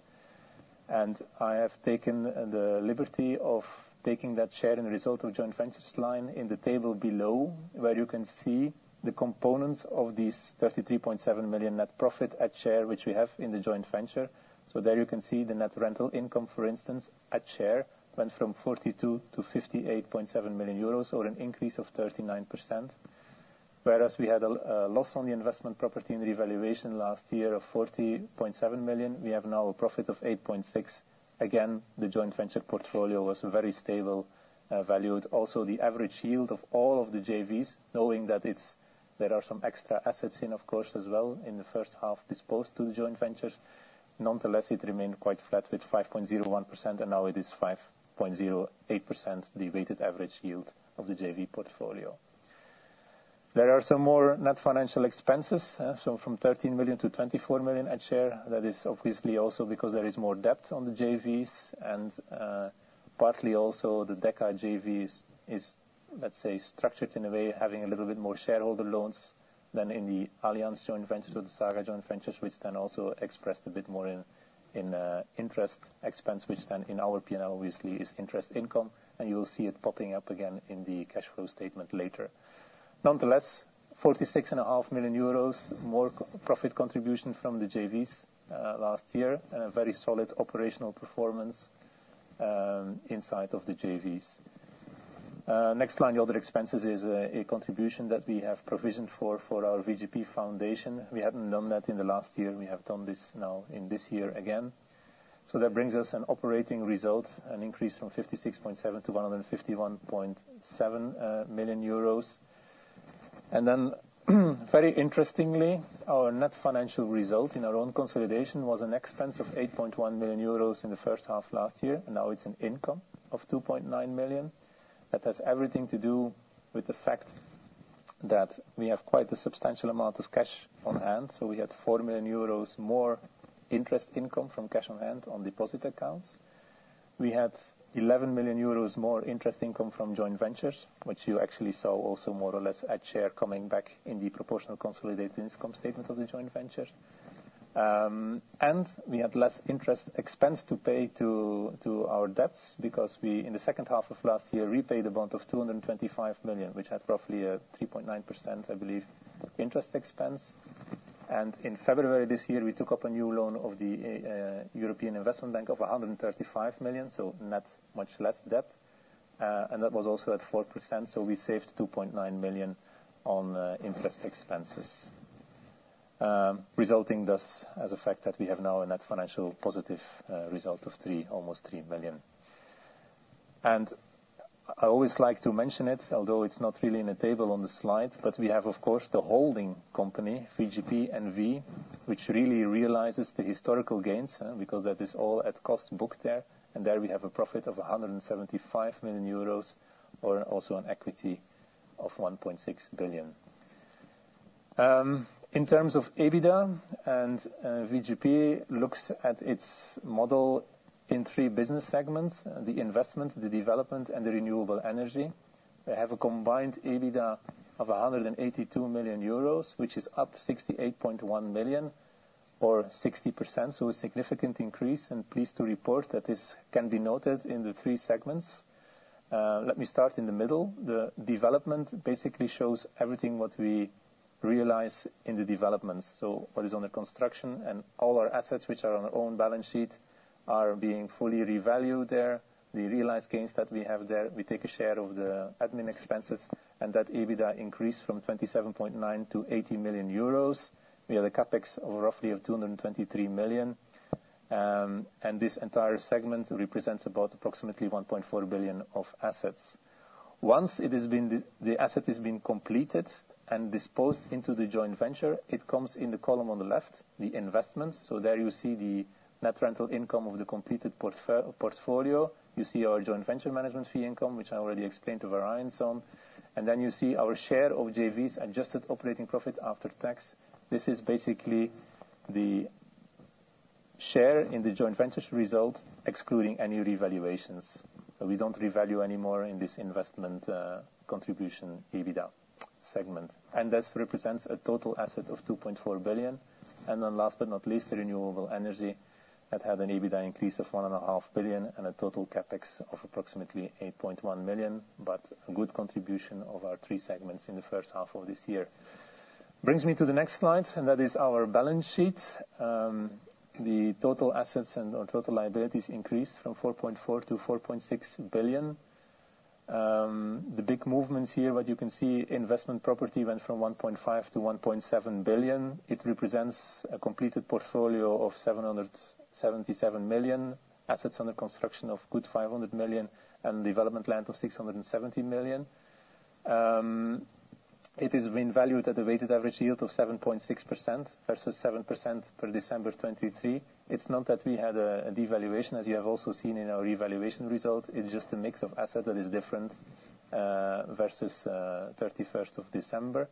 I have taken the liberty of taking that share in the result of joint ventures line in the table below, where you can see the components of these 33.7 million net profit at share, which we have in the joint venture. So there you can see the net rental income, for instance, at share, went from 42 million to 58.7 million euros, or an increase of 39%. Whereas we had a loss on the investment property and revaluation last year of 40.7 million, we have now a profit of 8.6 million. Again, the joint venture portfolio was very stable valued. Also, the average yield of all of the JVs, knowing that there are some extra assets in, of course, as well, in the first half disposed to the joint ventures. Nonetheless, it remained quite flat with 5.01%, and now it is 5.08%, the weighted average yield of the JV portfolio. There are some more net financial expenses, so from 13 million to 24 million at share. That is obviously also because there is more depth on the JVs, and partly also the Deka JVs is, let's say, structured in a way, having a little bit more shareholder loans than in the Allianz joint ventures or the Saga joint ventures, which then also expressed a bit more in interest expense, which then in our P&L obviously is interest income, and you will see it popping up again in the cash flow statement later. Nonetheless, 46.5 million euros more profit contribution from the JVs last year, and a very solid operational performance inside of the JVs. Next line, the other expenses is a contribution that we have provisioned for our VGP Foundation. We hadn't done that in the last year. We have done this now in this year again. So that brings us an operating result, an increase from 56.7 million to 151.7 million euros. And then, very interestingly, our net financial result in our own consolidation was an expense of 8.1 million euros in the first half last year, and now it's an income of 2.9 million. That has everything to do with the fact that we have quite a substantial amount of cash on hand, so we had 4 million euros more interest income from cash on hand on deposit accounts. We had 11 million euros more interest income from joint ventures, which you actually saw also more or less at share coming back in the proportional consolidated income statement of the joint venture. And we had less interest expense to pay to our debts, because we, in the second half of last year, repaid amount of 225 million, which had roughly a 3.9%, I believe, interest expense. And in February this year, we took up a new loan of the European Investment Bank of 135 million, so net much less debt, and that was also at 4%, so we saved 2.9 million on interest expenses. Resulting thus, as a fact, that we have now a net financial positive result of 3 million, almost 3 million. And I always like to mention it, although it's not really in a table on the slide, but we have, of course, the holding company, VGP NV, which really realizes the historical gains, because that is all at cost booked there, and there we have a profit of 175 million euros or also an equity of 1.6 billion. In terms of EBITDA, and VGP looks at its model in three business segments: the investment, the development, and the renewable energy. They have a combined EBITDA of 182 million euros, which is up 68.1 million or 60%, so a significant increase, and pleased to report that this can be noted in the three segments. Let me start in the middle. The development basically shows everything what we realize in the development. So what is under construction and all our assets which are on our own balance sheet, are being fully revalued there. The realized gains that we have there, we take a share of the admin expenses, and that EBITDA increased from 27.9 million to 80 million euros. We have a CapEx of roughly of 223 million, and this entire segment represents about approximately 1.4 billion of assets. Once it has been the asset has been completed and disposed into the joint venture, it comes in the column on the left, the investment. So there you see the net rental income of the completed portfolio. You see our joint venture management fee income, which I already explained to variance on. And then you see our share of JV's adjusted operating profit after tax. This is basically the share in the joint venture's result, excluding any revaluations. We don't revalue anymore in this investment contribution EBITDA segment. And this represents a total asset of 2.4 billion. And then last but not least, renewable energy, that had an EBITDA increase of 1.5 billion and a total CapEx of approximately 8.1 million, but a good contribution of our three segments in the first half of this year. Brings me to the next slide, and that is our balance sheet. The total assets and/or total liabilities increased from 4.4 billion to 4.6 billion. The big movements here, what you can see, investment property went from 1.5 billion to 1.7 billion. It represents a completed portfolio of 777 million, assets under construction of 500 million, and development land of 670 million. It has been valued at a weighted average yield of 7.6% versus 7% per December 2023. It's not that we had a devaluation, as you have also seen in our valuation results. It's just a mix of assets that is different versus 31st of December.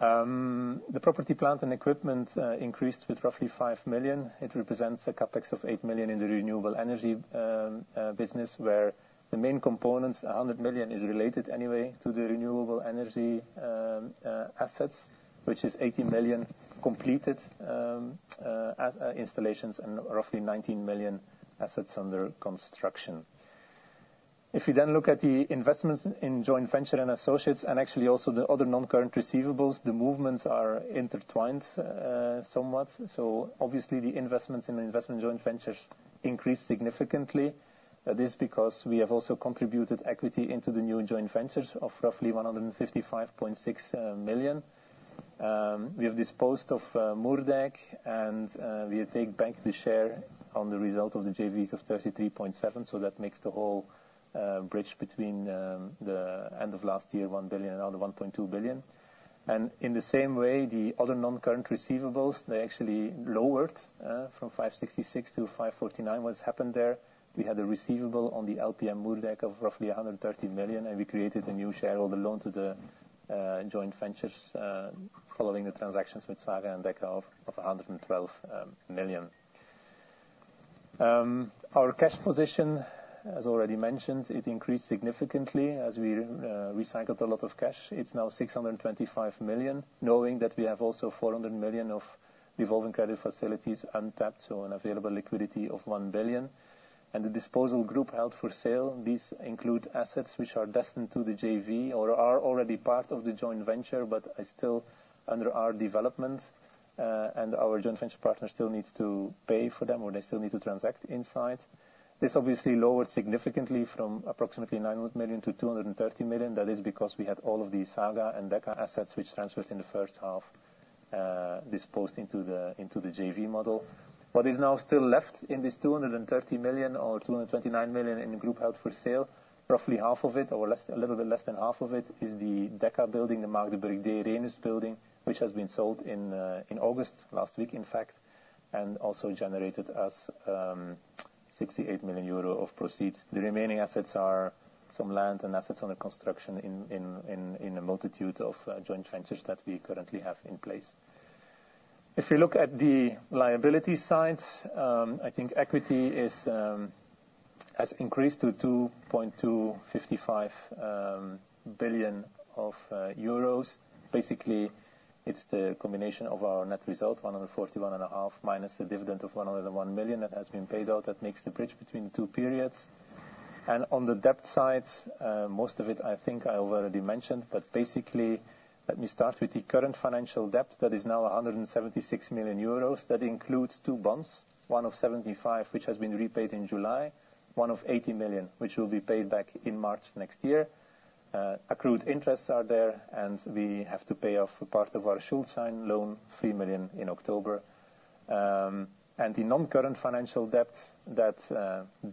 The property, plant and equipment increased with roughly 5 million. It represents a CapEx of 8 million in the renewable energy business, where the main components, 100 million, is related anyway to the renewable energy assets, which is 80 million completed as installations and roughly 19 million assets under construction. If you then look at the investments in joint venture and associates, and actually also the other non-current receivables, the movements are intertwined somewhat. Obviously, the investments in investment joint ventures increased significantly. That is because we have also contributed equity into the new joint ventures of roughly 155.6 million. We have disposed of Moerdijk, and we take back the share on the result of the JVs of 33.7, so that makes the whole bridge between the end of last year, 1 billion and now the 1.2 billion. And in the same way, the other non-current receivables, they actually lowered from 566 million to 549 million. What's happened there? We had a receivable on the LPM Moerdijk of roughly 130 million, and we created a new shareholder loan to the joint ventures following the transactions with Saga and Deka of 112 million. Our cash position, as already mentioned, it increased significantly as we recycled a lot of cash. It's now 625 million, knowing that we have also 400 million of revolving credit facilities untapped, so an available liquidity of 1 billion, and the disposal group held for sale, these include assets which are destined to the JV or are already part of the joint venture, but are still under our development, and our joint venture partner still needs to pay for them, or they still need to transact inside. This obviously lowered significantly from approximately 900 million to 230 million. That is because we had all of the Saga and Deka assets which transferred in the first half, disposed into the JV model. What is now still left in this 230 million or 229 million in the group held for sale, roughly half of it, or less, a little bit less than half of it, is the Deka building, the Magdeburg Rhenus building, which has been sold in August, last week, in fact, and also generated us 68 million euro of proceeds. The remaining assets are some land and assets under construction in a multitude of joint ventures that we currently have in place. If you look at the liability side, I think equity has increased to 2.255 billion euros. Basically, it's the combination of our net result of EUR 141.5 million minus the dividend of 101 million that has been paid out that makes the bridge between the two periods. On the debt side, most of it I think I already mentioned, but basically, let me start with the current financial debt that is now 176 million euros. That includes two bonds, one of 75 million, which has been repaid in July, one of 80 million, which will be paid back in March next year. Accrued interests are there, and we have to pay off a part of our Schuldschein loan, 3 million in October. And the non-current financial debt that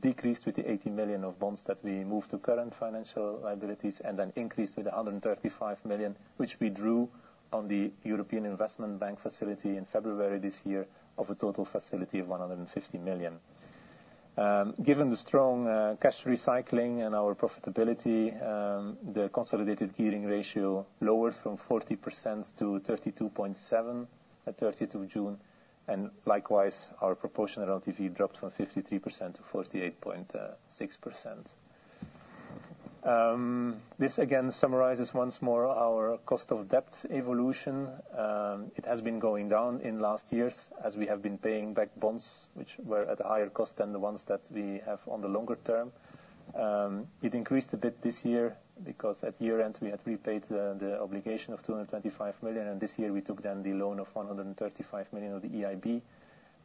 decreased with the 80 million of bonds that we moved to current financial liabilities and then increased with 135 million, which we drew on the European Investment Bank facility in February this year, of a total facility of 150 million. Given the strong cash recycling and our profitability, the consolidated gearing ratio lowered from 40% to 32.7% at 30th June, and likewise, our proportional LTV dropped from 53% to 48.6%. This again summarizes once more our cost of debt evolution. It has been going down in last years as we have been paying back bonds which were at a higher cost than the ones that we have on the longer term. It increased a bit this year because at year-end, we had repaid the obligation of 225 million, and this year we took down the loan of 135 million of the EIB,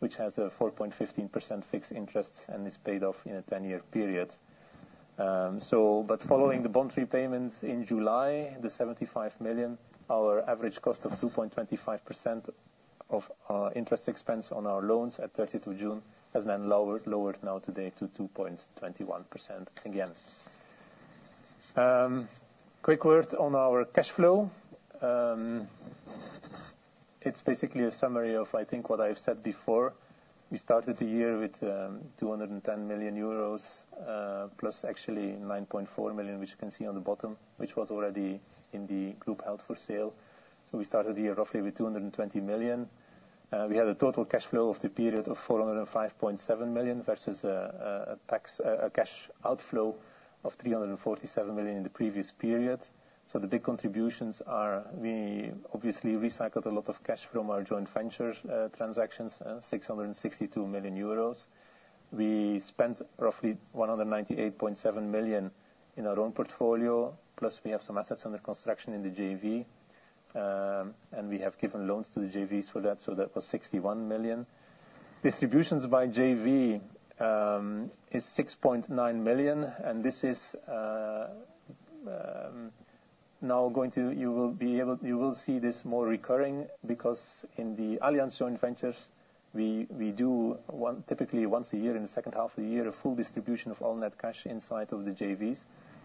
which has a 4.15% fixed interest and is paid off in a ten-year period. So but following the bond repayments in July, the 75 million, our average cost of 2.25% of our interest expense on our loans at 30th June has then lowered now today to 2.21% again. Quick word on our cash flow. It's basically a summary of, I think, what I have said before. We started the year with 210 million euros, plus actually 9.4 million, which you can see on the bottom, which was already in the group held for sale. So we started the year roughly with 220 million. We had a total cash flow of the period of 405.7 million versus a cash outflow of 347 million in the previous period. So the big contributions are, we obviously recycled a lot of cash from our joint ventures transactions, 662 million euros. We spent roughly 198.7 million in our own portfolio, plus we have some assets under construction in the JV. And we have given loans to the JVs for that, so that was 61 million. Distributions by JV is 6.9 million, and this is now you will see this more recurring, because in the Allianz joint ventures, we do typically once a year, in the second half of the year, a full distribution of all net cash inside of the JVs.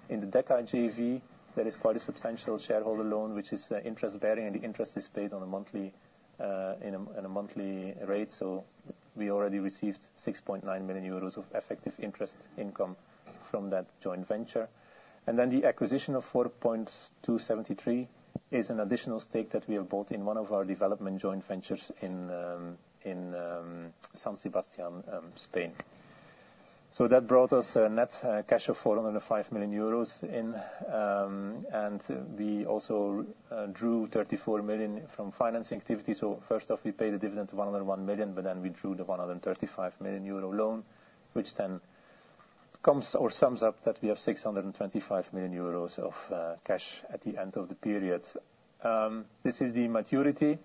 In the Deka JV, there is quite a substantial shareholder loan, which is interest-bearing, and the interest is paid on a monthly rate. So we already received 6.9 million euros of effective interest income from that joint venture. And then the acquisition of 4.273 million is an additional stake that we have bought in one of our development joint ventures in San Sebastián, Spain. That brought us a net cash of 405 million euros in, and we also drew 34 million from financing activity. First off, we paid a dividend of 101 million, but then we drew the 135 million euro loan, which then comes or sums up that we have 625 million euros of cash at the end of the period. This is the maturity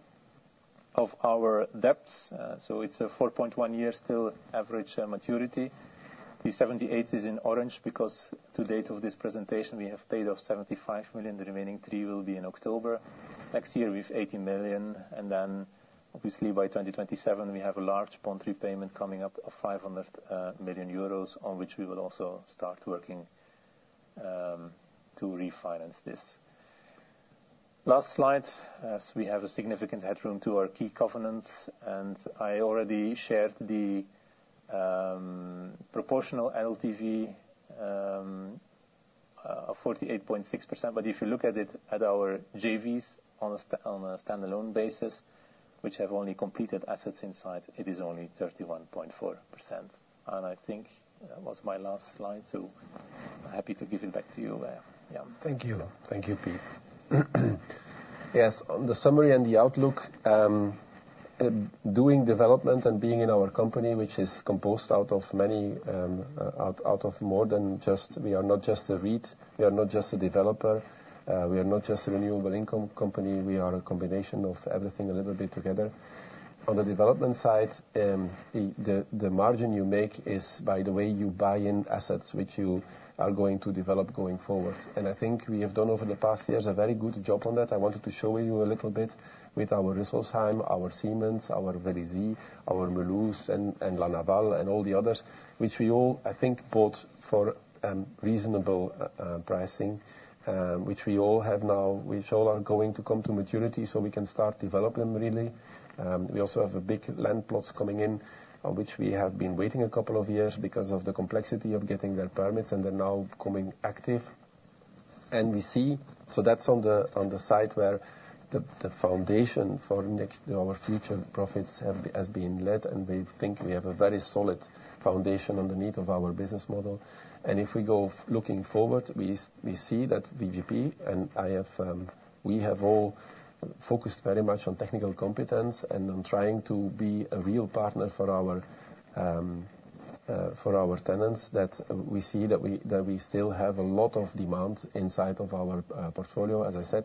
of our debts. It is a 4.1-year still average maturity. The 78 million is in orange because to date of this presentation, we have paid off 75 million, the remaining 3 million will be in October. Next year, we have 80 million, and then obviously by 2027, we have a large bond repayment coming up of 500 million euros, on which we will also start working to refinance this. Last slide, as we have a significant headroom to our key covenants, and I already shared the proportional LTV of 48.6%. But if you look at it at our JVs on a standalone basis, which have only completed assets inside, it is only 31.4%. And I think that was my last slide, so I'm happy to give it back to you, Jan. Thank you. Thank you, Piet. Yes, on the summary and the outlook, doing development and being in our company, which is composed out of many, out of more than just... We are not just a REIT, we are not just a developer, we are not just a rental income company, we are a combination of everything a little bit together. On the development side, the margin you make is by the way you buy in assets which you are going to develop going forward. And I think we have done, over the past years, a very good job on that. I wanted to show you a little bit with our Rüsselsheim, our Siemens, our Vélizy, our Mulhouse, and La Naval, and all the others, which we all, I think, bought for reasonable pricing, which we all have now, which all are going to come to maturity, so we can start develop them, really. We also have a big land plots coming in, which we have been waiting a couple of years because of the complexity of getting their permits, and they're now becoming active. We see, so that's on the side where the foundation for next our future profits has been laid, and we think we have a very solid foundation underneath of our business model. And if we go looking forward, we see that VGP, and I have, we have all focused very much on technical competence and on trying to be a real partner for our, for our tenants, that we see that we, that we still have a lot of demand inside of our portfolio. As I said,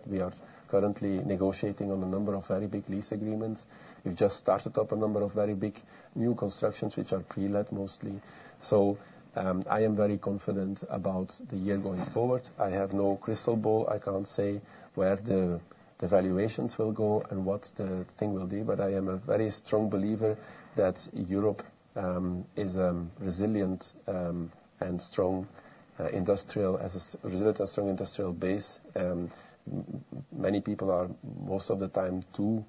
we are currently negotiating on a number of very big lease agreements. We've just started up a number of very big new constructions, which are pre-let mostly. So, I am very confident about the year going forward. I have no crystal ball. I can't say where the valuations will go and what the thing will do, but I am a very strong believer that Europe is a resilient and strong industrial as a resilient and strong industrial base. Many people are, most of the time, too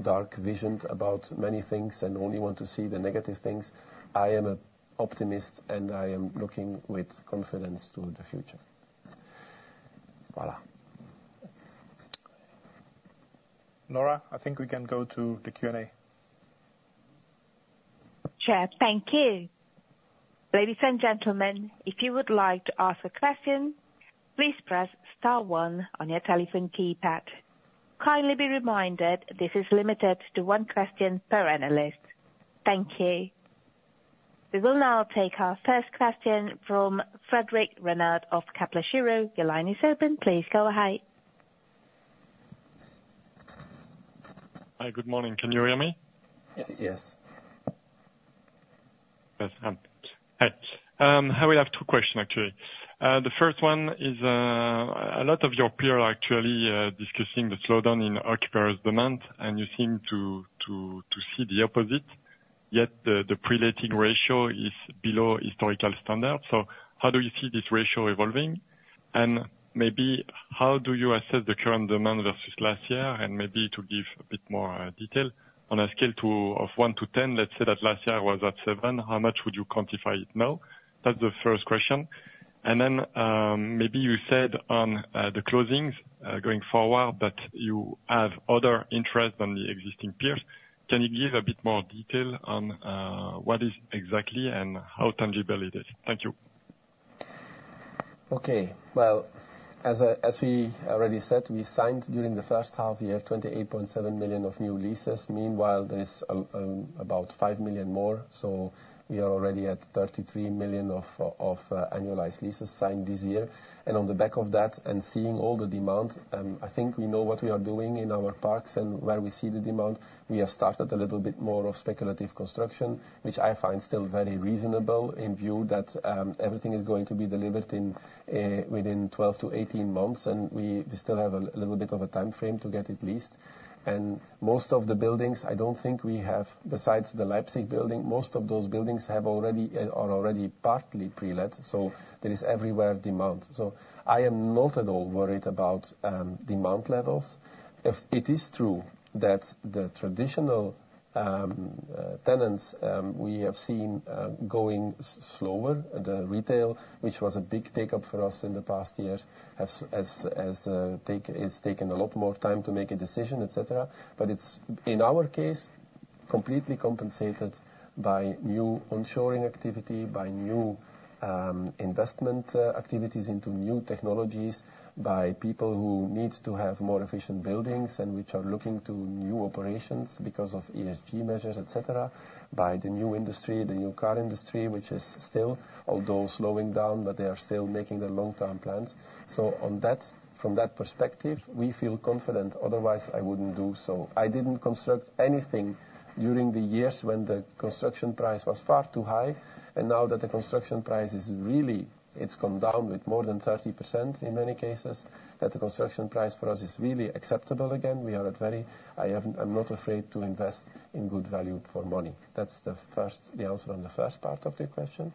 dark-visioned about many things and only want to see the negative things. I am a optimist, and I am looking with confidence to the future. Voila! Nora, I think we can go to the Q&A. Sure. Thank you. Ladies and gentlemen, if you would like to ask a question, please press star one on your telephone keypad. Kindly be reminded, this is limited to one question per analyst. Thank you. We will now take our first question from Frédéric Renard of Kepler Cheuvreux. Your line is open. Please go ahead. Hi, good morning. Can you hear me? Yes. Yes. Yes. Hi. I will have two question, actually. The first one is, a lot of your peer are actually discussing the slowdown in occupiers demand, and you seem to see the opposite, yet the pre-letting ratio is below historical standard. So how do you see this ratio evolving? And maybe how do you assess the current demand versus last year, and maybe to give a bit more detail, on a scale of one to ten, let's say that last year was at seven, how much would you quantify it now? That's the first question. And then, maybe you said on the closings going forward, that you have other interest than the existing peers. Can you give a bit more detail on what is exactly and how tangible it is? Thank you. Okay. Well, as we already said, we signed during the first half year 28.7 million of new leases. Meanwhile, there is about 5 million more, so we are already at 33 million of annualized leases signed this year. And on the back of that, and seeing all the demand, I think we know what we are doing in our parks and where we see the demand. We have started a little bit more of speculative construction, which I find still very reasonable in view that everything is going to be delivered within 12 to 18 months, and we still have a little bit of a time frame to get it leased. Most of the buildings, I don't think we have, besides the Leipzig building, most of those buildings have already, are already partly pre-let, so there is everywhere demand. I am not at all worried about demand levels. If it is true that the traditional tenants we have seen going slower, the retail, which was a big take-up for us in the past years, has, as it's taken a lot more time to make a decision, et cetera. It's in our case completely compensated by new onshoring activity, by new investment activities into new technologies, by people who needs to have more efficient buildings and which are looking to new operations because of ESG measures, et cetera. By the new industry, the new car industry, which is still, although slowing down, but they are still making their long-term plans, so on that, from that perspective, we feel confident, otherwise, I wouldn't do so. I didn't construct anything during the years when the construction price was far too high, and now that the construction price is really, it's come down with more than 30% in many cases, that the construction price for us is really acceptable again. We are at very. I am, I'm not afraid to invest in good value for money. That's the first, the answer on the first part of the question,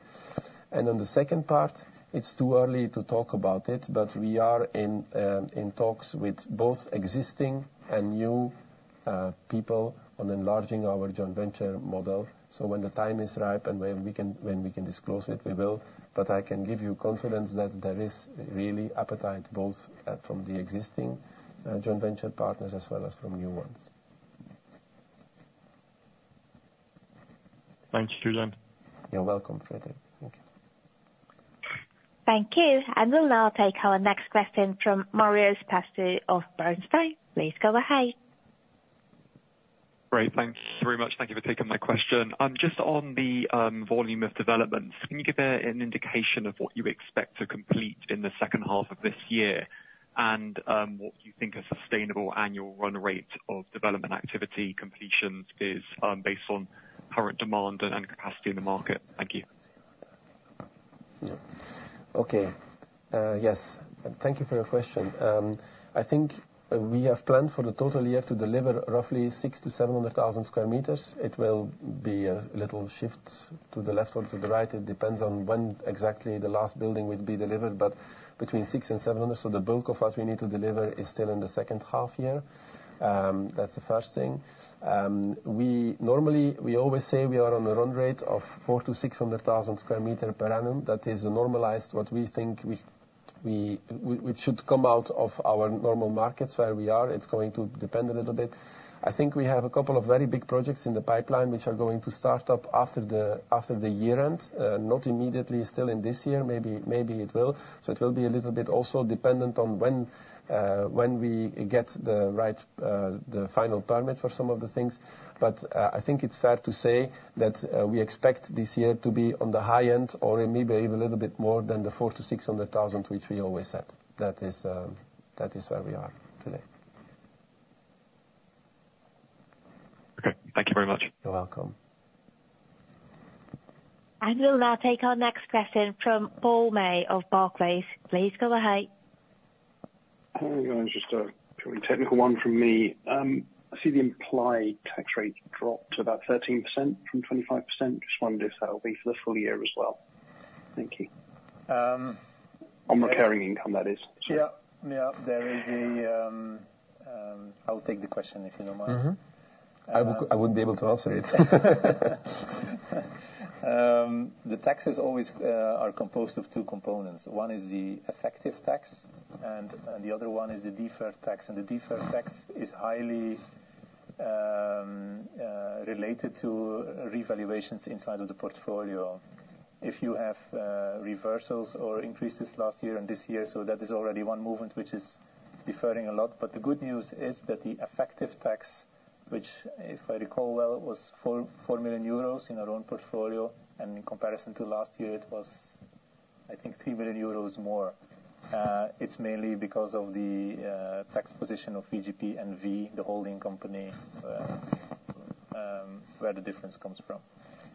and on the second part, it's too early to talk about it, but we are in, in talks with both existing and new, people on enlarging our joint venture model. So when the time is ripe and when we can disclose it, we will. But I can give you confidence that there is really appetite, both, from the existing, joint venture partners as well as from new ones. Thanks, Jan. You're welcome, Frédéric. Thank you. Thank you. And we'll now take our next question from Marios Pastou of Bernstein. Please go ahead. Great. Thanks very much. Thank you for taking my question. Just on the volume of developments, can you give an indication of what you expect to complete in the second half of this year? And what you think a sustainable annual run rate of development activity completions is, based on current demand and capacity in the market? Thank you. Yeah. Okay, yes, thank you for your question. I think we have planned for the total year to deliver roughly 600,000 sq m-700,000 sq m. It will be a little shift to the left or to the right, it depends on when exactly the last building will be delivered, but between 600,000 sq m and 700,000 sq m. So the bulk of what we need to deliver is still in the second half year. That's the first thing. We normally always say we are on a run rate of 400,000 sq m-600,000 sq m per annum. That is normalized, what we think which should come out of our normal markets where we are. It's going to depend a little bit. I think we have a couple of very big projects in the pipeline, which are going to start up after the year end, not immediately, still in this year. Maybe, maybe it will. So it will be a little bit also dependent on when we get the final permit for some of the things. But I think it's fair to say that we expect this year to be on the high end or maybe even a little bit more than the 400,000 sq m-600,000 sq m, which we always said. That is where we are today. Okay. Thank you very much. You're welcome. We'll now take our next question from Paul May of Barclays. Please go ahead. Just a purely technical one from me. I see the implied tax rate dropped to about 13% from 25%. Just wonder if that will be for the full year as well? Thank you. On recurring income, that is. Yeah, yeah. There is a, I'll take the question, if you don't mind. I wouldn't be able to answer it. The taxes always are composed of two components. One is the effective tax, and the other one is the deferred tax. The deferred tax is highly related to revaluations inside of the portfolio. If you have reversals or increases last year and this year, so that is already one movement, which is deferring a lot. The good news is that the effective tax, which, if I recall well, was 4.4 million euros in our own portfolio, and in comparison to last year, it was, I think, 3 million euros more. It's mainly because of the tax position of VGP NV, the holding company, where the difference comes from.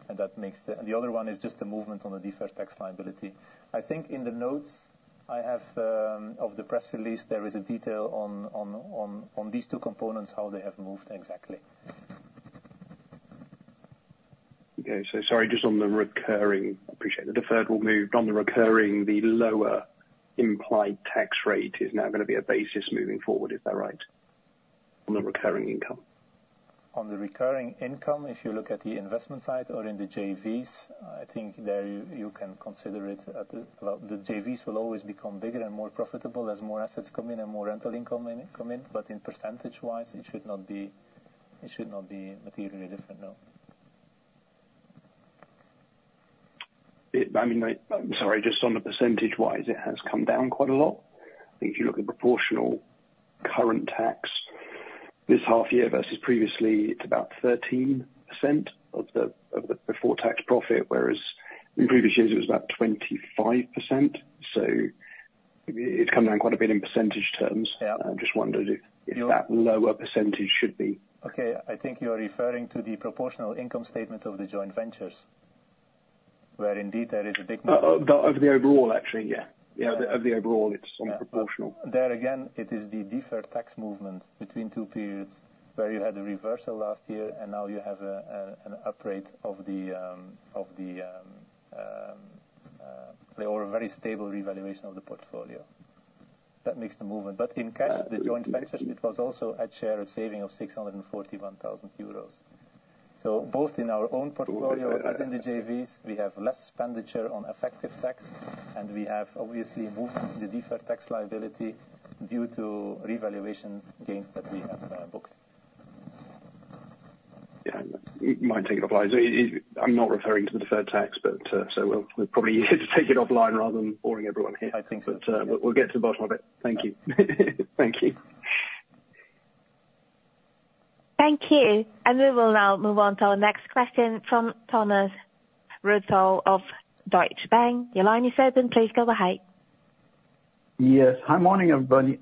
That makes the other one just a movement on the deferred tax liability. I think in the notes I have of the press release, there is a detail on these two components, how they have moved exactly. Okay. So sorry, just on the recurring, I appreciate the deferred moved. On the recurring, the lower implied tax rate is now going to be a basis moving forward. Is that right? On the recurring income. On the recurring income, if you look at the investment side or in the JVs, I think there you can consider it at the... Well, the JVs will always become bigger and more profitable as more assets come in and more rental income come in, but in percentage-wise, it should not be materially different, no. I mean, I'm sorry, just on the percentage-wise, it has come down quite a lot. If you look at proportional current tax this half year versus previously, it's about 13% of the before tax profit, whereas in previous years it was about 25%. So it's come down quite a bit in percentage terms. I just wondered if- That lower percentage should be. Okay, I think you're referring to the proportional income statement of the joint ventures, where indeed there is a big- Of the overall, actually, yeah. It's on proportional. There again, it is the deferred tax movement between two periods, where you had a reversal last year and now you have an upgrade of the or a very stable revaluation of the portfolio. That makes the movement. But in cash-... the joint ventures, it was also a share, a saving of 641,000 euros. So both in our own portfolio, as in the JVs, we have less expenditure on effective tax, and we have obviously moved the deferred tax liability due to revaluations gains that we have, booked.... Yeah, we might take it offline. I'm not referring to the deferred tax, but so we'll probably need to take it offline rather than boring everyone here. I think so. But we'll get to the bottom of it. Thank you. Thank you. Thank you. We will now move on to our next question from Thomas Rothäusler of Deutsche Bank. Your line is open. Please go ahead. Yes. Hi, morning, everybody.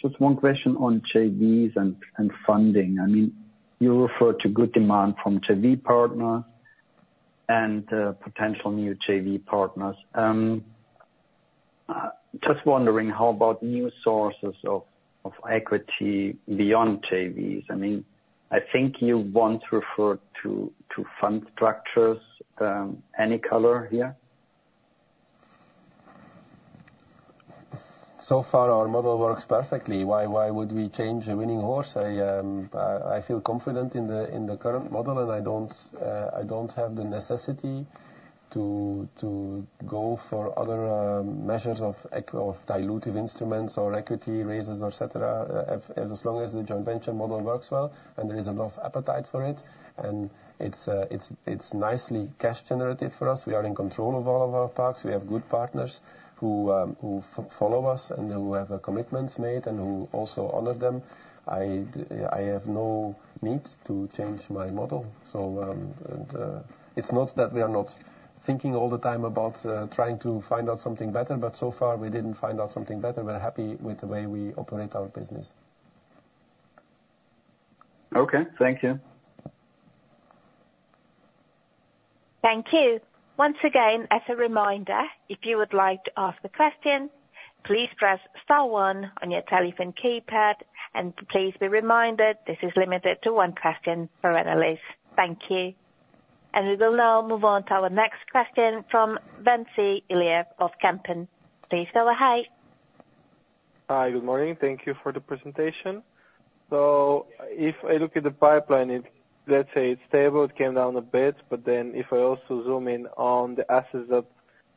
Just one question on JVs and funding. I mean, you refer to good demand from JV partner and potential new JV partners. Just wondering, how about new sources of equity beyond JVs? I mean, I think you once referred to fund structures. Any color here? So far, our model works perfectly. Why, why would we change a winning horse? I feel confident in the current model, and I don't have the necessity to go for other measures of equity, of dilutive instruments or equity raises, et cetera. As long as the joint venture model works well, and there is enough appetite for it, and it's nicely cash generative for us. We are in control of all of our parks. We have good partners who follow us and who have commitments made and who also honor them. I have no need to change my model, so, and, it's not that we are not thinking all the time about trying to find out something better, but so far we didn't find out something better. We're happy with the way we operate our business. Okay. Thank you. Thank you. Once again, as a reminder, if you would like to ask a question, please press star one on your telephone keypad, and please be reminded, this is limited to one question per analyst. Thank you. We will now move on to our next question from Ventsi Iliev of Kempen. Please go ahead. Hi, good morning. Thank you for the presentation. So if I look at the pipeline, it's, let's say, it's stable. It came down a bit, but then if I also zoom in on the assets that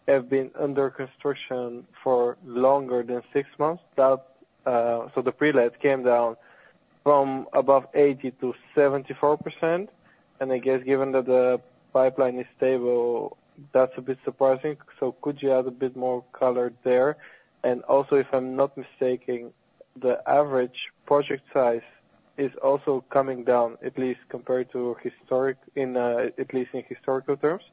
have been under construction for longer than six months, that. So the pre-let came down from above 80% to 74%, and I guess given that the pipeline is stable, that's a bit surprising. So could you add a bit more color there? And also, if I'm not mistaken, the average project size is also coming down, at least compared to historic in, at least in historical terms.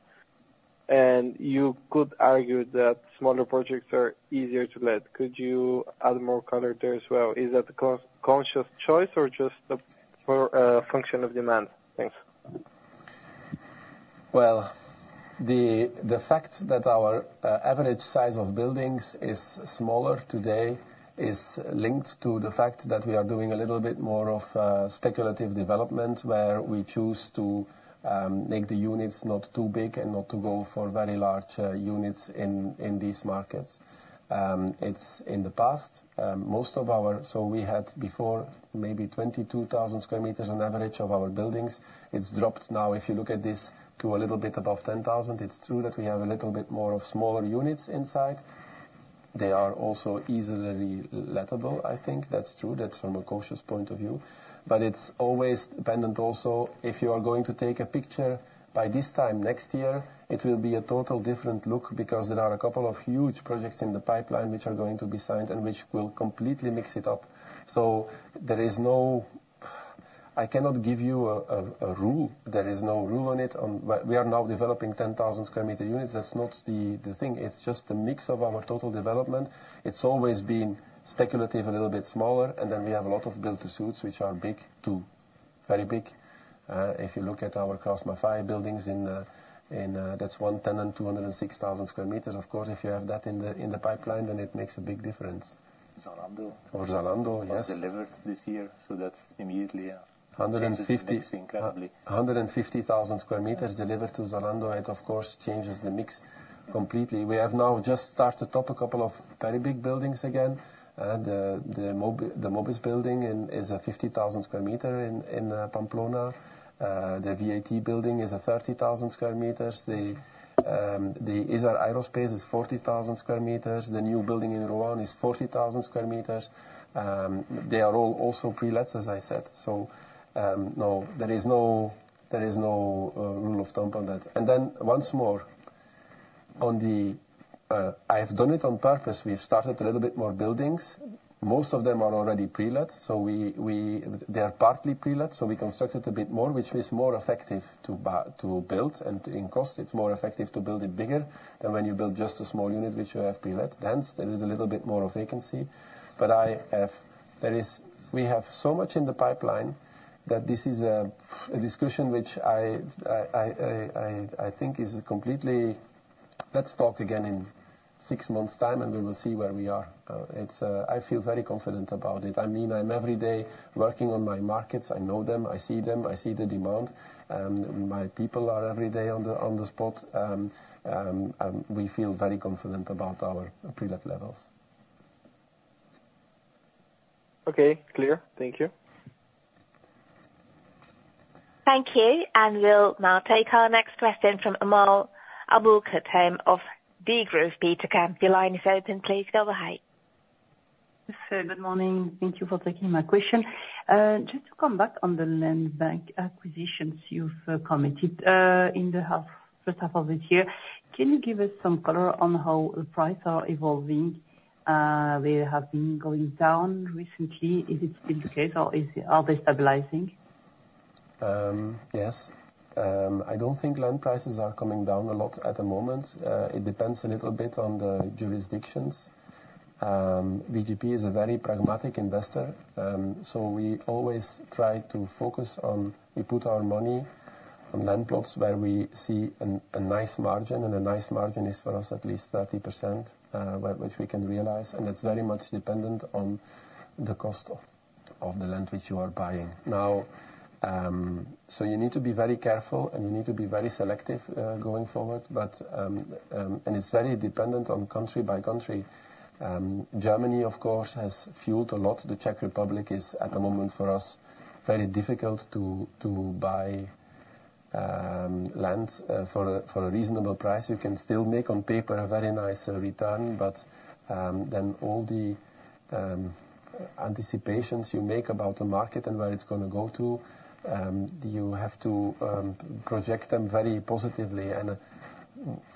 And you could argue that smaller projects are easier to let. Could you add more color there as well? Is that a conscious choice or just a function of demand? Thanks. The fact that our average size of buildings is smaller today is linked to the fact that we are doing a little bit more of speculative development, where we choose to make the units not too big and not to go for very large units in these markets. It's in the past, most of our. So we had before maybe 22,000 sq m on average of our buildings. It's dropped now, if you look at this, to a little bit above 10,000 sq m. It's true that we have a little bit more of smaller units inside. They are also easily lettable. I think that's true. That's from a cautious point of view. But it's always dependent also, if you are going to take a picture, by this time next year, it will be a total different look, because there are a couple of huge projects in the pipeline which are going to be signed and which will completely mix it up. So there is no. I cannot give you a rule. There is no rule on it, on. But we are now developing 10,000 sq m units. That's not the thing. It's just a mix of our total development. It's always been speculative, a little bit smaller, and then we have a lot of build-to-suits, which are big, to very big. If you look at our KraussMaffei buildings in Munich, that's one tenant, 206,000 sq m. Of course, if you have that in the pipeline, then it makes a big difference. Zalando. Or Zalando, yes. Was delivered this year, so that's immediately, 150- sq m delivered to Zalando. It, of course, changes the mix completely. We have now just started to top a couple of very big buildings again. The Mobis building is 50,000 sq m in Pamplona. The VAT building is 30,000 sq m. the Isar Aerospace is 40,000 sq m. the new building in Rouen is 40,000 sq m. they are all also pre-lets, as I said. So, there is no rule of thumb on that. And then, once more, on the, I've done it on purpose, we've started a little bit more buildings. Most of them are already pre-let, so we. They are partly pre-let, so we constructed a bit more, which is more effective to build, and in cost, it's more effective to build it bigger than when you build just a small unit, which you have pre-let. Hence, there is a little bit more of vacancy. We have so much in the pipeline that this is a discussion which I think is completely. Let's talk again in six months' time, and we will see where we are. I feel very confident about it. I mean, I'm every day working on my markets. I know them, I see them, I see the demand, and my people are every day on the spot. And we feel very confident about our pre-let levels. Okay, clear. Thank you. Thank you, and we'll now take our next question from Amal Aboulkhouatem of Degroof Petercam. Your line is open, please go ahead.... Sir, good morning. Thank you for taking my question. Just to come back on the land bank acquisitions you've commented in the first half of this year. Can you give us some color on how the prices are evolving? They have been going down recently. Is it indicating, or are they stabilizing? Yes. I don't think land prices are coming down a lot at the moment. It depends a little bit on the jurisdictions. VGP is a very pragmatic investor, so we always try to focus on. We put our money on land plots where we see a nice margin, and a nice margin is for us at least 30%, which we can realize, and it's very much dependent on the cost of the land which you are buying. Now, so you need to be very careful, and you need to be very selective going forward, but, and it's very dependent on country by country. Germany, of course, has fueled a lot. The Czech Republic is at the moment for us very difficult to buy land for a reasonable price. You can still make, on paper, a very nice return, but then all the anticipations you make about the market and where it's gonna go to, you have to project them very positively, and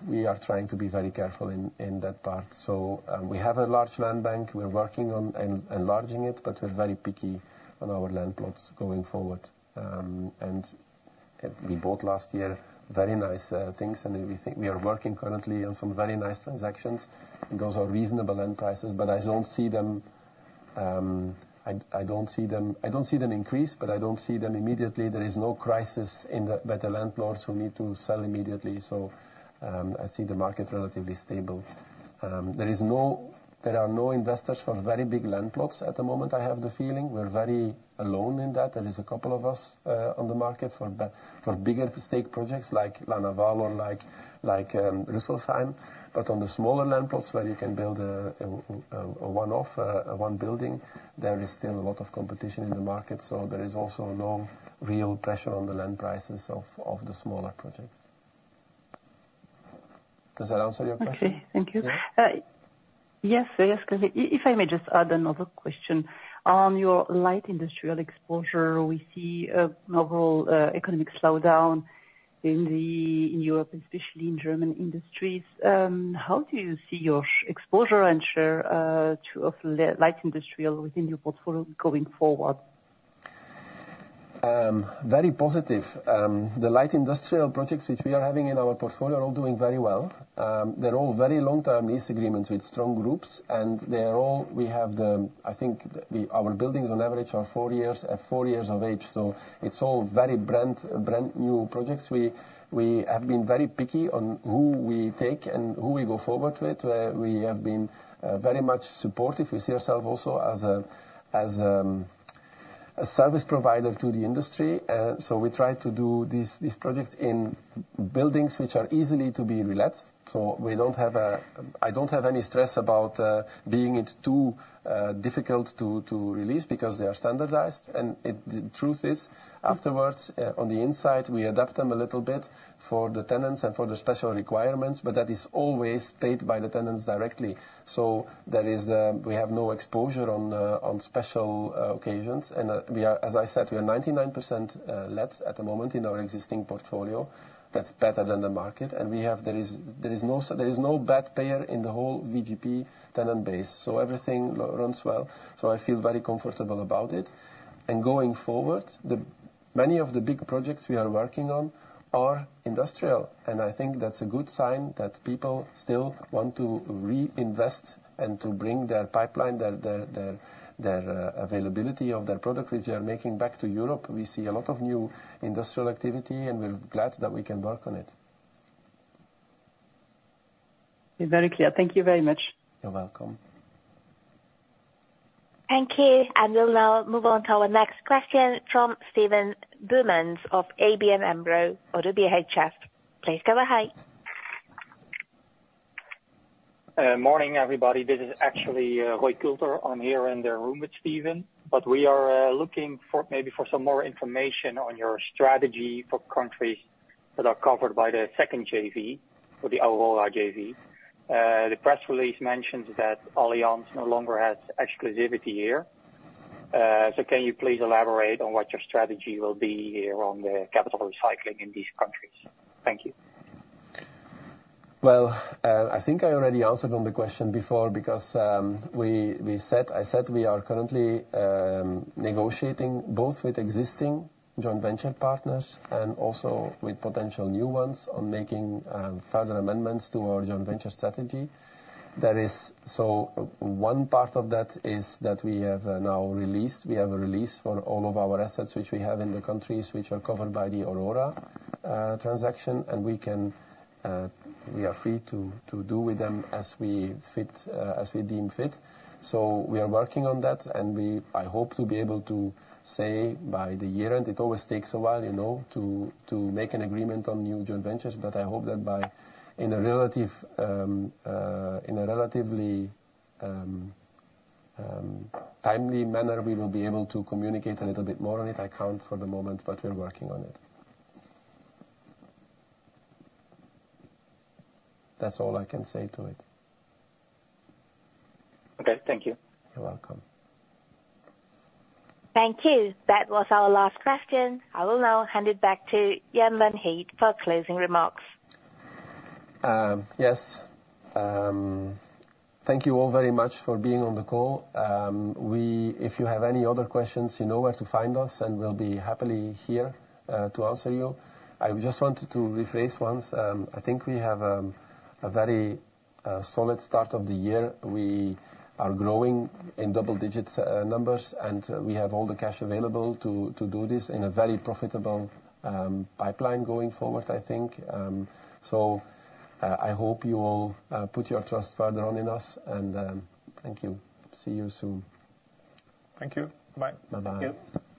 we are trying to be very careful in that part. So, we have a large land bank. We're working on enlarging it, but we're very picky on our land plots going forward. And we bought last year very nice things, and we think we are working currently on some very nice transactions. Those are reasonable land prices, but I don't see them increase immediately. There is no crisis with the landlords who need to sell immediately, so I see the market relatively stable. There are no investors for very big land plots at the moment, I have the feeling. We're very alone in that. There is a couple of us on the market for bigger stake projects like La Naval or like Rüsselsheim. But on the smaller land plots, where you can build a one-off, a one building, there is still a lot of competition in the market, so there is also no real pressure on the land prices of the smaller projects. Does that answer your question? Okay. Thank you. Yeah. Yes, yes, 'cause if I may just add another question. On your light industrial exposure, we see a novel economic slowdown in Europe, especially in German industries. How do you see your exposure and share of light industrial within your portfolio going forward? Very positive. The light industrial projects which we are having in our portfolio are all doing very well. They're all very long-term lease agreements with strong groups, and they are all -- we have the, I think, the, our buildings on average are four years of age, so it's all very brand-new projects. We have been very picky on who we take and who we go forward with. We have been very much supportive. We see ourselves also as a service provider to the industry, so we try to do these projects in buildings which are easily to be relet. So we don't have a -- I don't have any stress about being it too difficult to release, because they are standardized. The truth is, afterwards, on the inside, we adapt them a little bit for the tenants and for the special requirements, but that is always paid by the tenants directly. So there is, we have no exposure on, on special, occasions, and, we are, as I said, we are 99% let at the moment in our existing portfolio. That's better than the market, and we have, there is no bad payer in the whole VGP tenant base, so everything runs well. So I feel very comfortable about it. Going forward, many of the big projects we are working on are industrial, and I think that's a good sign that people still want to reinvest and to bring their pipeline, availability of their product which they are making back to Europe. We see a lot of new industrial activity, and we're glad that we can work on it. Very clear. Thank you very much. You're welcome. Thank you, and we'll now move on to our next question from Steven Boumans of ABN AMRO-ODDO BHF. Please go ahead. Morning, everybody. This is actually Roy Kulter. I'm here in the room with Steven, but we are looking for maybe some more information on your strategy for countries that are covered by the second JV, for the Aurora JV. The press release mentions that Allianz no longer has exclusivity here. So can you please elaborate on what your strategy will be here on the capital recycling in these countries? Thank you. Well, I think I already answered on the question before, because, we, we said, I said we are currently negotiating both with existing joint venture partners and also with potential new ones on making further amendments to our joint venture strategy. There is, so one part of that is that we have now released, we have a release for all of our assets, which we have in the countries which are covered by the Aurora transaction, and we can, we are free to, to do with them as we fit, as we deem fit. So we are working on that, and we... I hope to be able to say, by the year end, it always takes a while, you know, to make an agreement on new joint ventures, but I hope that by, in a relatively timely manner, we will be able to communicate a little bit more on it. I can't for the moment, but we're working on it. That's all I can say to it. Okay. Thank you. You're welcome. Thank you. That was our last question. I will now hand it back to Jan Van Geet for closing remarks. Yes, thank you all very much for being on the call. We, if you have any other questions, you know where to find us, and we'll be happily here to answer you. I just wanted to rephrase once. I think we have a very solid start of the year. We are growing in double digits numbers, and we have all the cash available to do this in a very profitable pipeline going forward, I think. So, I hope you will put your trust further on in us, and thank you. See you soon. Thank you. Bye. Bye-bye. Thank you.